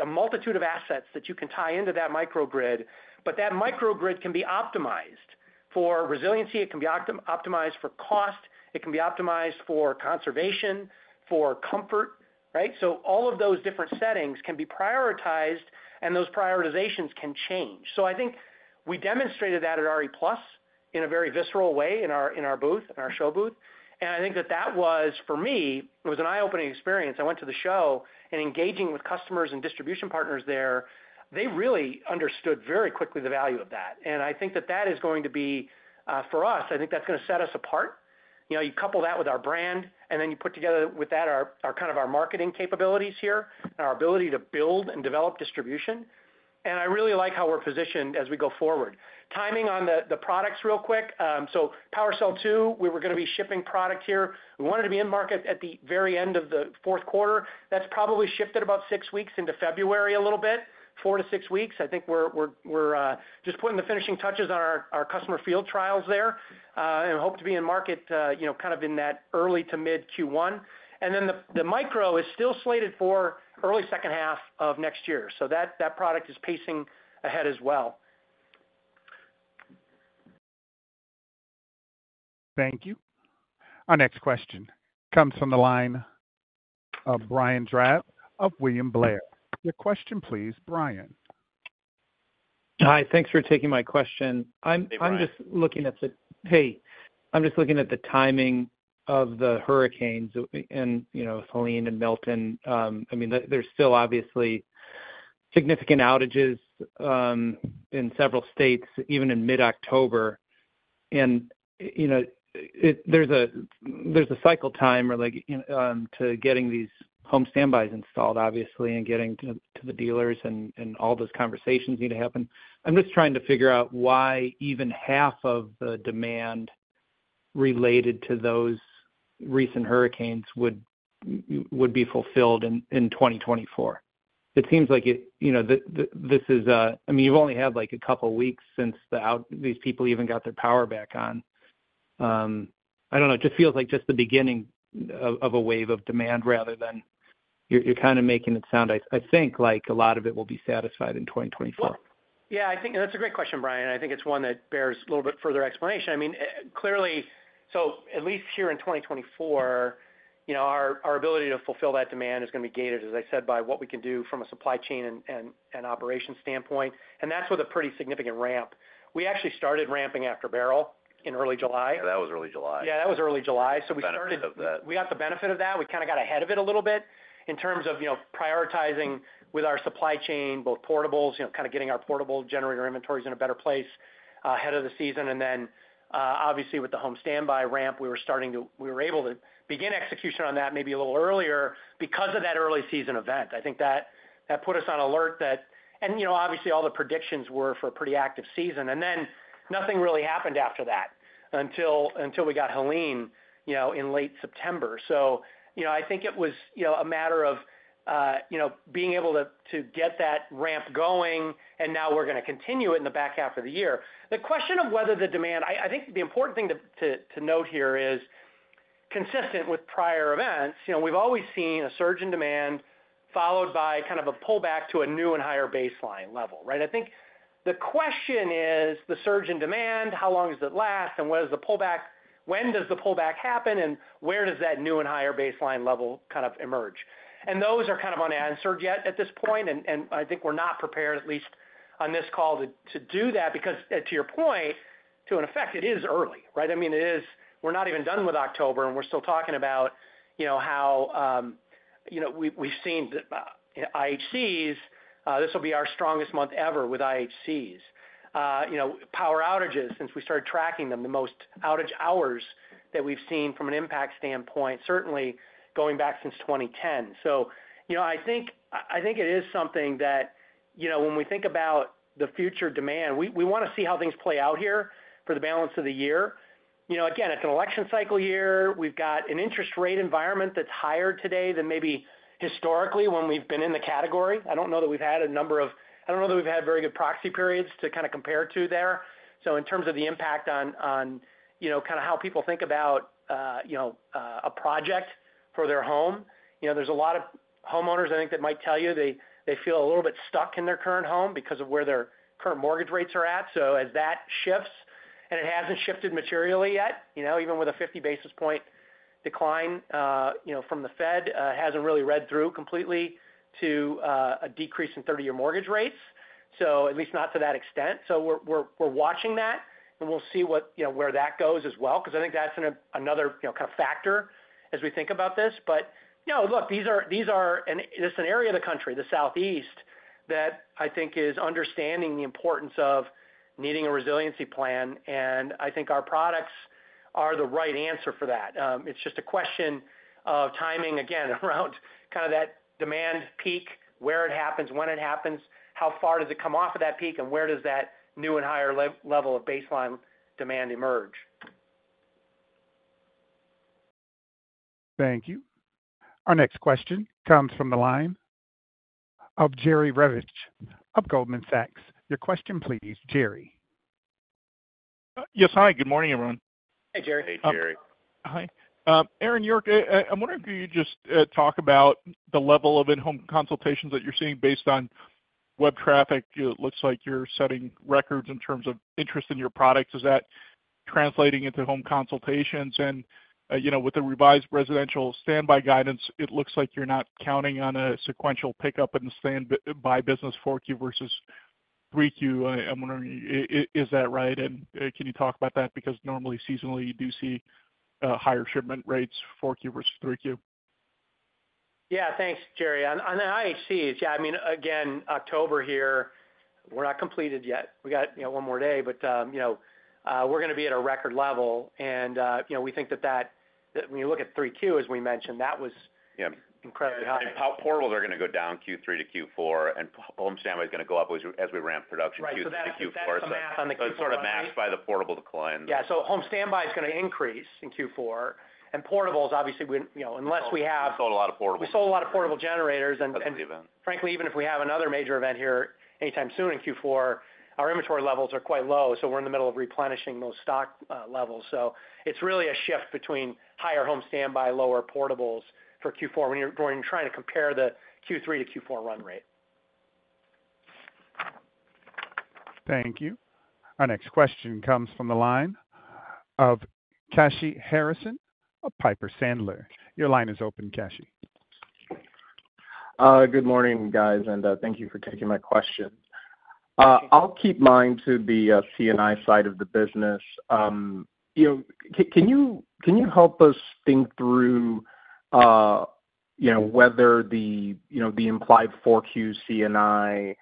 a multitude of assets that you can tie into that microgrid. But that microgrid can be optimized for resiliency. It can be optimized for cost. It can be optimized for conservation, for comfort, right? So all of those different settings can be prioritized, and those prioritizations can change. So I think we demonstrated that at RE+ in a very visceral way in our booth, in our show booth. And I think that that was, for me, it was an eye-opening experience. I went to the show, and engaging with customers and distribution partners there, they really understood very quickly the value of that. And I think that that is going to be, for us, I think that's going to set us apart. You couple that with our brand, and then you put together with that kind of our marketing capabilities here and our ability to build and develop distribution. And I really like how we're positioned as we go forward. Timing on the products real quick. So PowerCell 2, we were going to be shipping product here. We wanted to be in market at the very end of the fourth quarter. That's probably shifted about six weeks into February a little bit, four to six weeks. I think we're just putting the finishing touches on our customer field trials there and hope to be in market kind of in that early to mid Q1. And then the micro is still slated for early second half of next year. So that product is pacing ahead as well. Thank you. Our next question comes from the line of Brian Drab of William Blair. Your question, please, Brian. Hi. Thanks for taking my question. I'm just looking at the timing of the hurricanes and Helene and Milton. I mean, there's still obviously significant outages in several states, even in mid-October. There's a cycle time to getting these home standbys installed, obviously, and getting to the dealers, and all those conversations need to happen. I'm just trying to figure out why even half of the demand related to those recent hurricanes would be fulfilled in 2024. It seems like this is, I mean, you've only had a couple of weeks since these people even got their power back on. I don't know. It just feels like just the beginning of a wave of demand rather than you're kind of making it sound, I think, like a lot of it will be satisfied in 2024. Yeah, I think that's a great question, Brian. I think it's one that bears a little bit further explanation. I mean, clearly, so at least here in 2024, our ability to fulfill that demand is going to be gated, as I said, by what we can do from a supply chain and operation standpoint. And that's with a pretty significant ramp. We actually started ramping after Beryl in early July. Yeah, that was early July. So we started to. We got the benefit of that. We kind of got ahead of it a little bit in terms of prioritizing with our supply chain, both portables, kind of getting our portable generator inventories in a better place ahead of the season. And then, obviously, with the home standby ramp, we were starting to. We were able to begin execution on that maybe a little earlier because of that early season event. I think that put us on alert that, and obviously, all the predictions were for a pretty active season, and then nothing really happened after that until we got Helene in late September. So I think it was a matter of being able to get that ramp going, and now we're going to continue it in the back half of the year. The question of whether the demand, I think the important thing to note here is consistent with prior events. We've always seen a surge in demand followed by kind of a pullback to a new and higher baseline level, right? I think the question is the surge in demand, how long does it last, and when does the pullback happen, and where does that new and higher baseline level kind of emerge? And those are kind of unanswered yet at this point. And I think we're not prepared, at least on this call, to do that because, to your point, to an effect, it is early, right? I mean, we're not even done with October, and we're still talking about how we've seen IHCs. This will be our strongest month ever with IHCs. Power outages, since we started tracking them, the most outage hours that we've seen from an impact standpoint, certainly going back since 2010. So I think it is something that when we think about the future demand, we want to see how things play out here for the balance of the year. Again, it's an election cycle year. We've got an interest rate environment that's higher today than maybe historically when we've been in the category. I don't know that we've had very good proxy periods to kind of compare to there. So in terms of the impact on kind of how people think about a project for their home, there's a lot of homeowners, I think, that might tell you they feel a little bit stuck in their current home because of where their current mortgage rates are at. So as that shifts, and it hasn't shifted materially yet, even with a 50 basis points decline from the Fed, it hasn't really read through completely to a decrease in 30-year mortgage rates, so at least not to that extent. So we're watching that, and we'll see where that goes as well because I think that's another kind of factor as we think about this. But no, look, these are, and it's an area of the country, the Southeast, that I think is understanding the importance of needing a resiliency plan. And I think our products are the right answer for that. It's just a question of timing, again, around kind of that demand peak, where it happens, when it happens, how far does it come off of that peak, and where does that new and higher level of baseline demand emerge. Thank you. Our next question comes from the line of Jerry Revich of Goldman Sachs. Your question, please, Jerry. Yes, hi. Good morning, everyone. Hey, Jerry. Hey, Jerry. Hi. Aaron, I'm wondering if you could just talk about the level of in-home consultations that you're seeing based on web traffic. It looks like you're setting records in terms of interest in your products. Is that translating into home consultations? With the revised residential standby guidance, it looks like you're not counting on a sequential pickup in the standby business 4Q versus 3Q. I'm wondering, is that right? And can you talk about that? Because normally, seasonally, you do see higher shipment rates, 4Q versus 3Q. Yeah, thanks, Jerry. On the IHCs, yeah, I mean, again, October here, we're not completed yet. We got one more day, but we're going to be at a record level. And we think that when you look at 3Q, as we mentioned, that was incredibly high. And portables are going to go down Q3 to Q4, and home standby is going to go up as we ramp production Q3 to Q4. Right, so that's going to happen in Q4. It's sort of matched by the portable decline. Yeah, so home standby is going to increase in Q4. And portables, obviously, unless we have. We sold a lot of portables. We sold a lot of portable generators. Frankly, even if we have another major event here anytime soon in Q4, our inventory levels are quite low. So we're in the middle of replenishing those stock levels. So it's really a shift between higher home standby, lower portables for Q4 when you're trying to compare the Q3 to Q4 run rate. Thank you. Our next question comes from the line of Kashy Harrison of Piper Sandler. Your line is open, Kashy. Good morning, guys, and thank you for taking my question. I'll keep mine to the C&I side of the business. Can you help us think through whether the implied 4Q CNI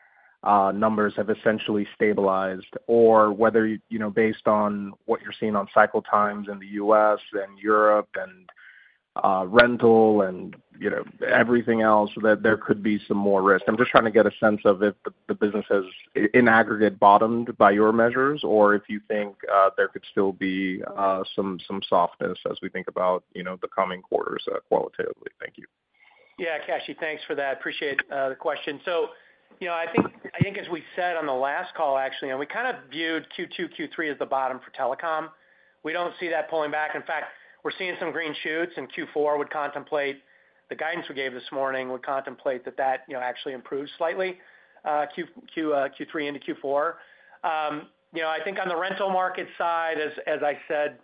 numbers have essentially stabilized or whether, based on what you're seeing on cycle times in the U.S. and Europe and rental and everything else, there could be some more risk? I'm just trying to get a sense of if the business has, in aggregate, bottomed by your measures or if you think there could still be some softness as we think about the coming quarters qualitatively. Thank you. Yeah, Kashy, thanks for that. Appreciate the question. So I think, as we said on the last call, actually, and we kind of viewed Q2, Q3 as the bottom for telecom. We don't see that pulling back. In fact, we're seeing some green shoots, and Q4 would contemplate the guidance we gave this morning would contemplate that that actually improves slightly, Q3 into Q4. I think on the rental market side, as I said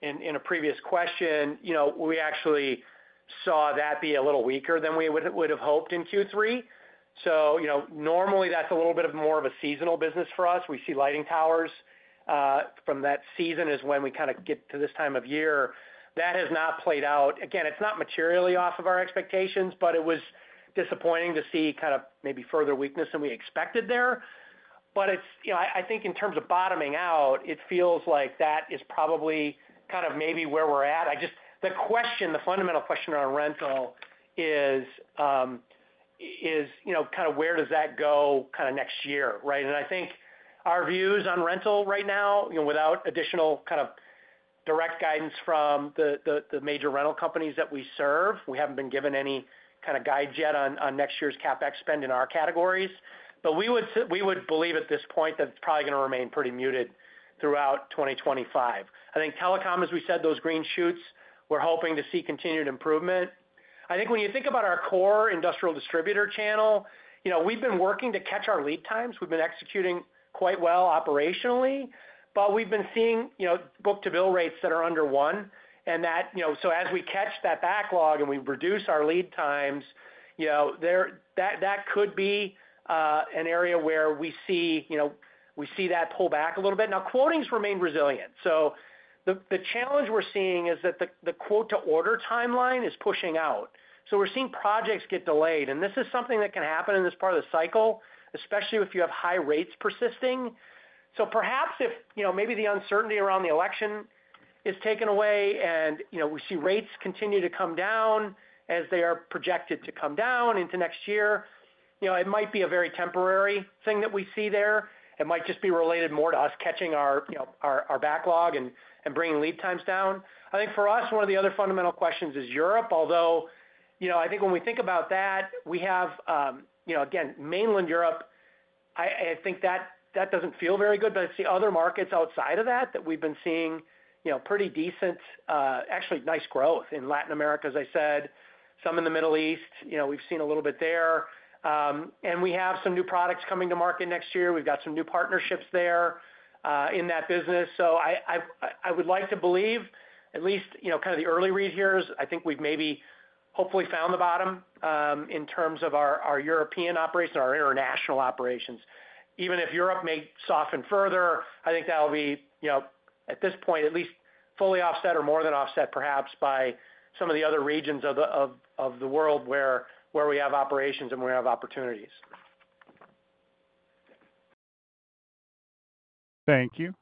in a previous question, we actually saw that be a little weaker than we would have hoped in Q3. So normally, that's a little bit more of a seasonal business for us. We see lighting towers from that season is when we kind of get to this time of year. That has not played out. Again, it's not materially off of our expectations, but it was disappointing to see kind of maybe further weakness than we expected there. But I think in terms of bottoming out, it feels like that is probably kind of maybe where we're at. The question, the fundamental question around rental is kind of where does that go kind of next year, right? And I think our views on rental right now, without additional kind of direct guidance from the major rental companies that we serve, we haven't been given any kind of guide yet on next year's CapEx spend in our categories. But we would believe at this point that it's probably going to remain pretty muted throughout 2025. I think telecom, as we said, those green shoots, we're hoping to see continued improvement. I think when you think about our core industrial distributor channel, we've been working to catch our lead times. We've been executing quite well operationally, but we've been seeing book-to-bill rates that are under one. And so as we catch that backlog and we reduce our lead times, that could be an area where we see that pull back a little bit. Now, quotings remain resilient. The challenge we're seeing is that the quote-to-order timeline is pushing out. We're seeing projects get delayed. This is something that can happen in this part of the cycle, especially if you have high rates persisting. Perhaps if maybe the uncertainty around the election is taken away and we see rates continue to come down as they are projected to come down into next year, it might be a very temporary thing that we see there. It might just be related more to us catching our backlog and bringing lead times down. I think for us, one of the other fundamental questions is Europe, although I think when we think about that, we have, again, mainland Europe. I think that doesn't feel very good. But I see other markets outside of that that we've been seeing pretty decent, actually nice growth in Latin America, as I said, some in the Middle East. We've seen a little bit there. And we have some new products coming to market next year. We've got some new partnerships there in that business. So I would like to believe, at least kind of the early read here is I think we've maybe hopefully found the bottom in terms of our European operations, our international operations. Even if Europe may soften further, I think that will be, at this point, at least fully offset or more than offset, perhaps, by some of the other regions of the world where we have operations and we have opportunities. Thank you.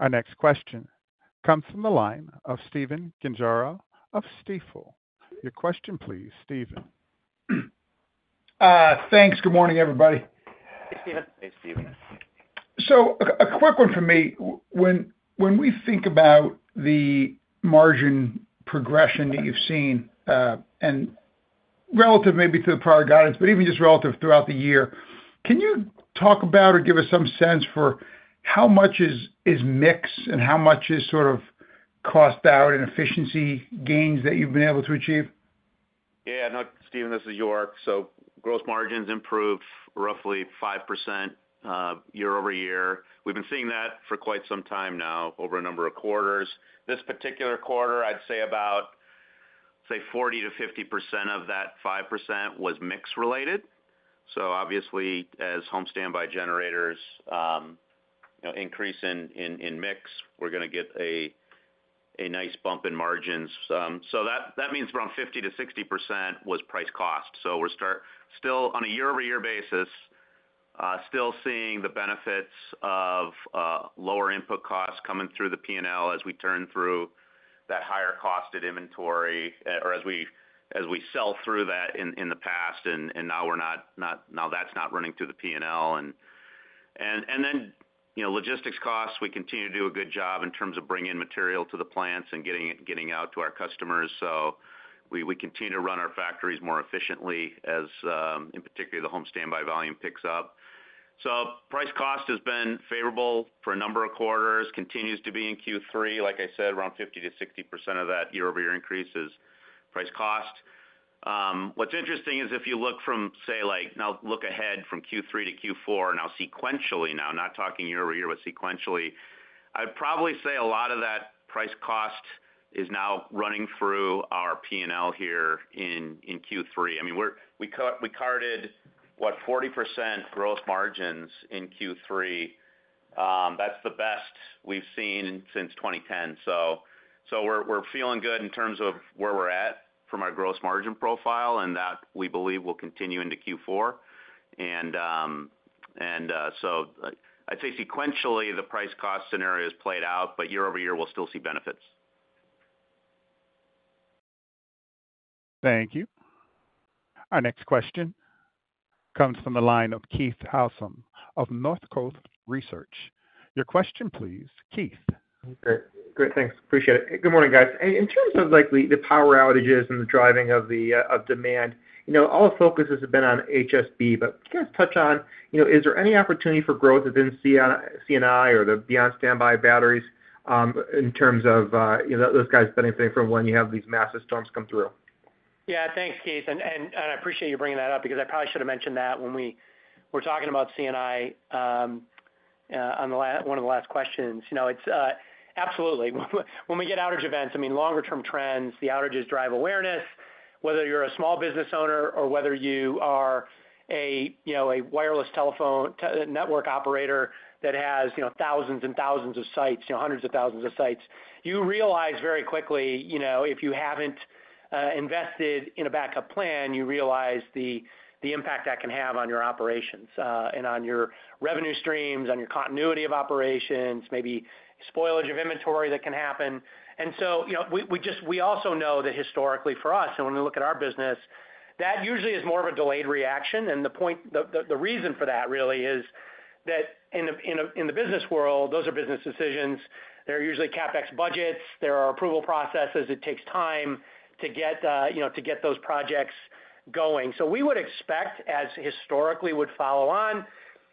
Our next question comes from the line of Stephen Gengaro of Stifel. Your question, please, Stephen. Thanks. Good morning, everybody. Hey, Stephen. So a quick one for me. When we think about the margin progression that you've seen and relative maybe to the prior guidance, but even just relative throughout the year, can you talk about or give us some sense for how much is mixed and how much is sort of cost out and efficiency gains that you've been able to achieve? Yeah. No, Stephen, this is York. So gross margins improved roughly 5% year over year. We've been seeing that for quite some time now over a number of quarters. This particular quarter, I'd say about, say, 40%-50% of that 5% was mixed related. So obviously, as home standby generators increase in mix, we're going to get a nice bump in margins. So that means around 50%-60% was price cost. We're still on a year-over-year basis, still seeing the benefits of lower input costs coming through the P&L as we turn through that higher costed inventory or as we sell through that in the past. Now we're not, that's not running through the P&L. Then logistics costs, we continue to do a good job in terms of bringing in material to the plants and getting out to our customers. We continue to run our factories more efficiently, in particular, as the home standby volume picks up. Price cost has been favorable for a number of quarters and continues to be in Q3. Like I said, around 50%-60% of that year-over-year increase is price cost. What's interesting is if you look from, say, now look ahead from Q3 to Q4, now sequentially, now, not talking year over year, but sequentially, I'd probably say a lot of that price cost is now running through our P&L here in Q3. I mean, we carried, what, 40% gross margins in Q3. That's the best we've seen since 2010. So we're feeling good in terms of where we're at from our gross margin profile, and that we believe will continue into Q4. And so I'd say sequentially, the price cost scenario has played out, but year over year, we'll still see benefits. Thank you. Our next question comes from the line of Keith Housum of North Coast Research. Your question, please, Keith. Great. Thanks. Appreciate it. Good morning, guys. In terms of the power outages and the driving of demand, all the focus has been on HSB, but can you guys touch on, is there any opportunity for growth within C&I or the beyond standby batteries in terms of those guys benefiting from when you have these massive storms come through? Yeah, thanks, Keith. And I appreciate you bringing that up because I probably should have mentioned that when we were talking about C&I on one of the last questions. Absolutely. When we get outage events, I mean, longer-term trends, the outages drive awareness. Whether you're a small business owner or whether you are a wireless telephone network operator that has thousands and thousands of sites, hundreds of thousands of sites, you realize very quickly if you haven't invested in a backup plan. You realize the impact that can have on your operations and on your revenue streams, on your continuity of operations, maybe spoilage of inventory that can happen. And so we also know that historically for us, and when we look at our business, that usually is more of a delayed reaction. And the reason for that really is that in the business world, those are business decisions. They're usually CapEx budgets. There are approval processes. It takes time to get those projects going. So we would expect, as historically would follow on,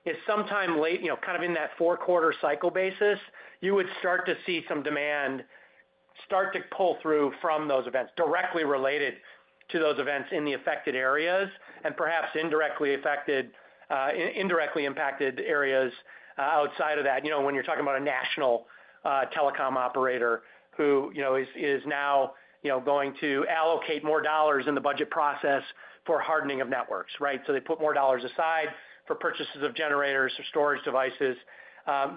is sometime late, kind of in that four-quarter cycle basis, you would start to see some demand start to pull through from those events directly related to those events in the affected areas and perhaps indirectly impacted areas outside of that. When you're talking about a national telecom operator who is now going to allocate more dollars in the budget process for hardening of networks, right? So they put more dollars aside for purchases of generators or storage devices.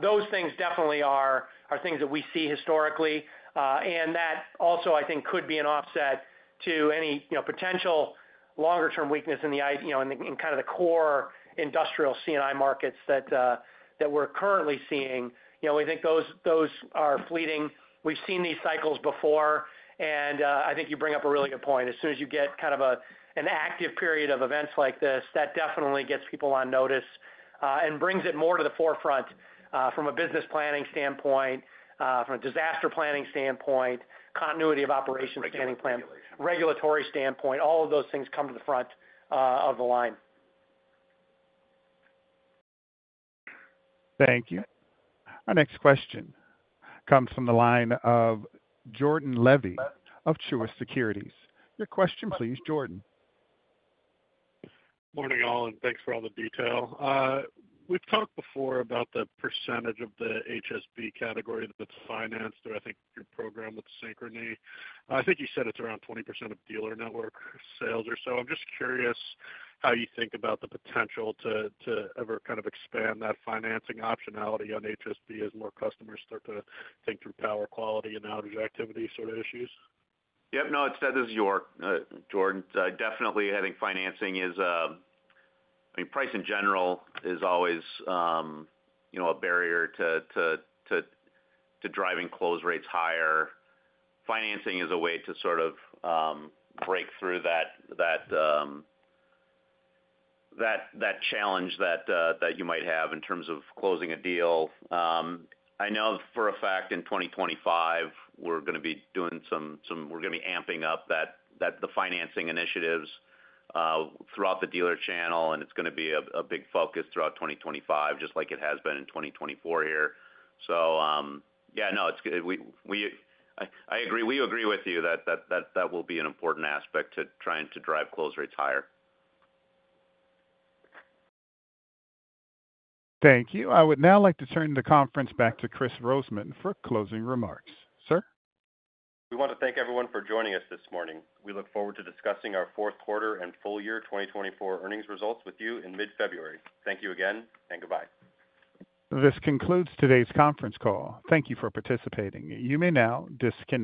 Those things definitely are things that we see historically. And that also, I think, could be an offset to any potential longer-term weakness in kind of the core industrial C&I markets that we're currently seeing. We think those are fleeting. We've seen these cycles before. And I think you bring up a really good point. As soon as you get kind of an active period of events like this, that definitely gets people on notice and brings it more to the forefront from a business planning standpoint, from a disaster planning standpoint, continuity of operations, standing plan, regulatory standpoint. All of those things come to the front of the line. Thank you. Our next question comes from the line of Jordan Levy of Truist Securities. Your question, please, Jordan. Morning, Aaron. Thanks for all the detail. We've talked before about the percentage of the HSB category that's financed through, I think, your program with Synchrony. I think you said it's around 20% of dealer network sales or so. I'm just curious how you think about the potential to ever kind of expand that financing optionality on HSB as more customers start to think through power quality and outage activity sort of issues. Yep. No, that is York, Jordan. Definitely, I think financing is, I mean, price in general is always a barrier to driving close rates higher. Financing is a way to sort of break through that challenge that you might have in terms of closing a deal. I know for a fact in 2025, we're going to be amping up the financing initiatives throughout the dealer channel, and it's going to be a big focus throughout 2025, just like it has been in 2024 here. So yeah, no, I agree. We agree with you that that will be an important aspect to trying to drive close rates higher. Thank you. I would now like to turn the conference back to Kris Roseman for closing remarks. Sir. We want to thank everyone for joining us this morning. We look forward to discussing our fourth quarter and full year 2024 earnings results with you in mid-February. Thank you again, and goodbye. This concludes today's conference call. Thank you for participating. You may now disconnect.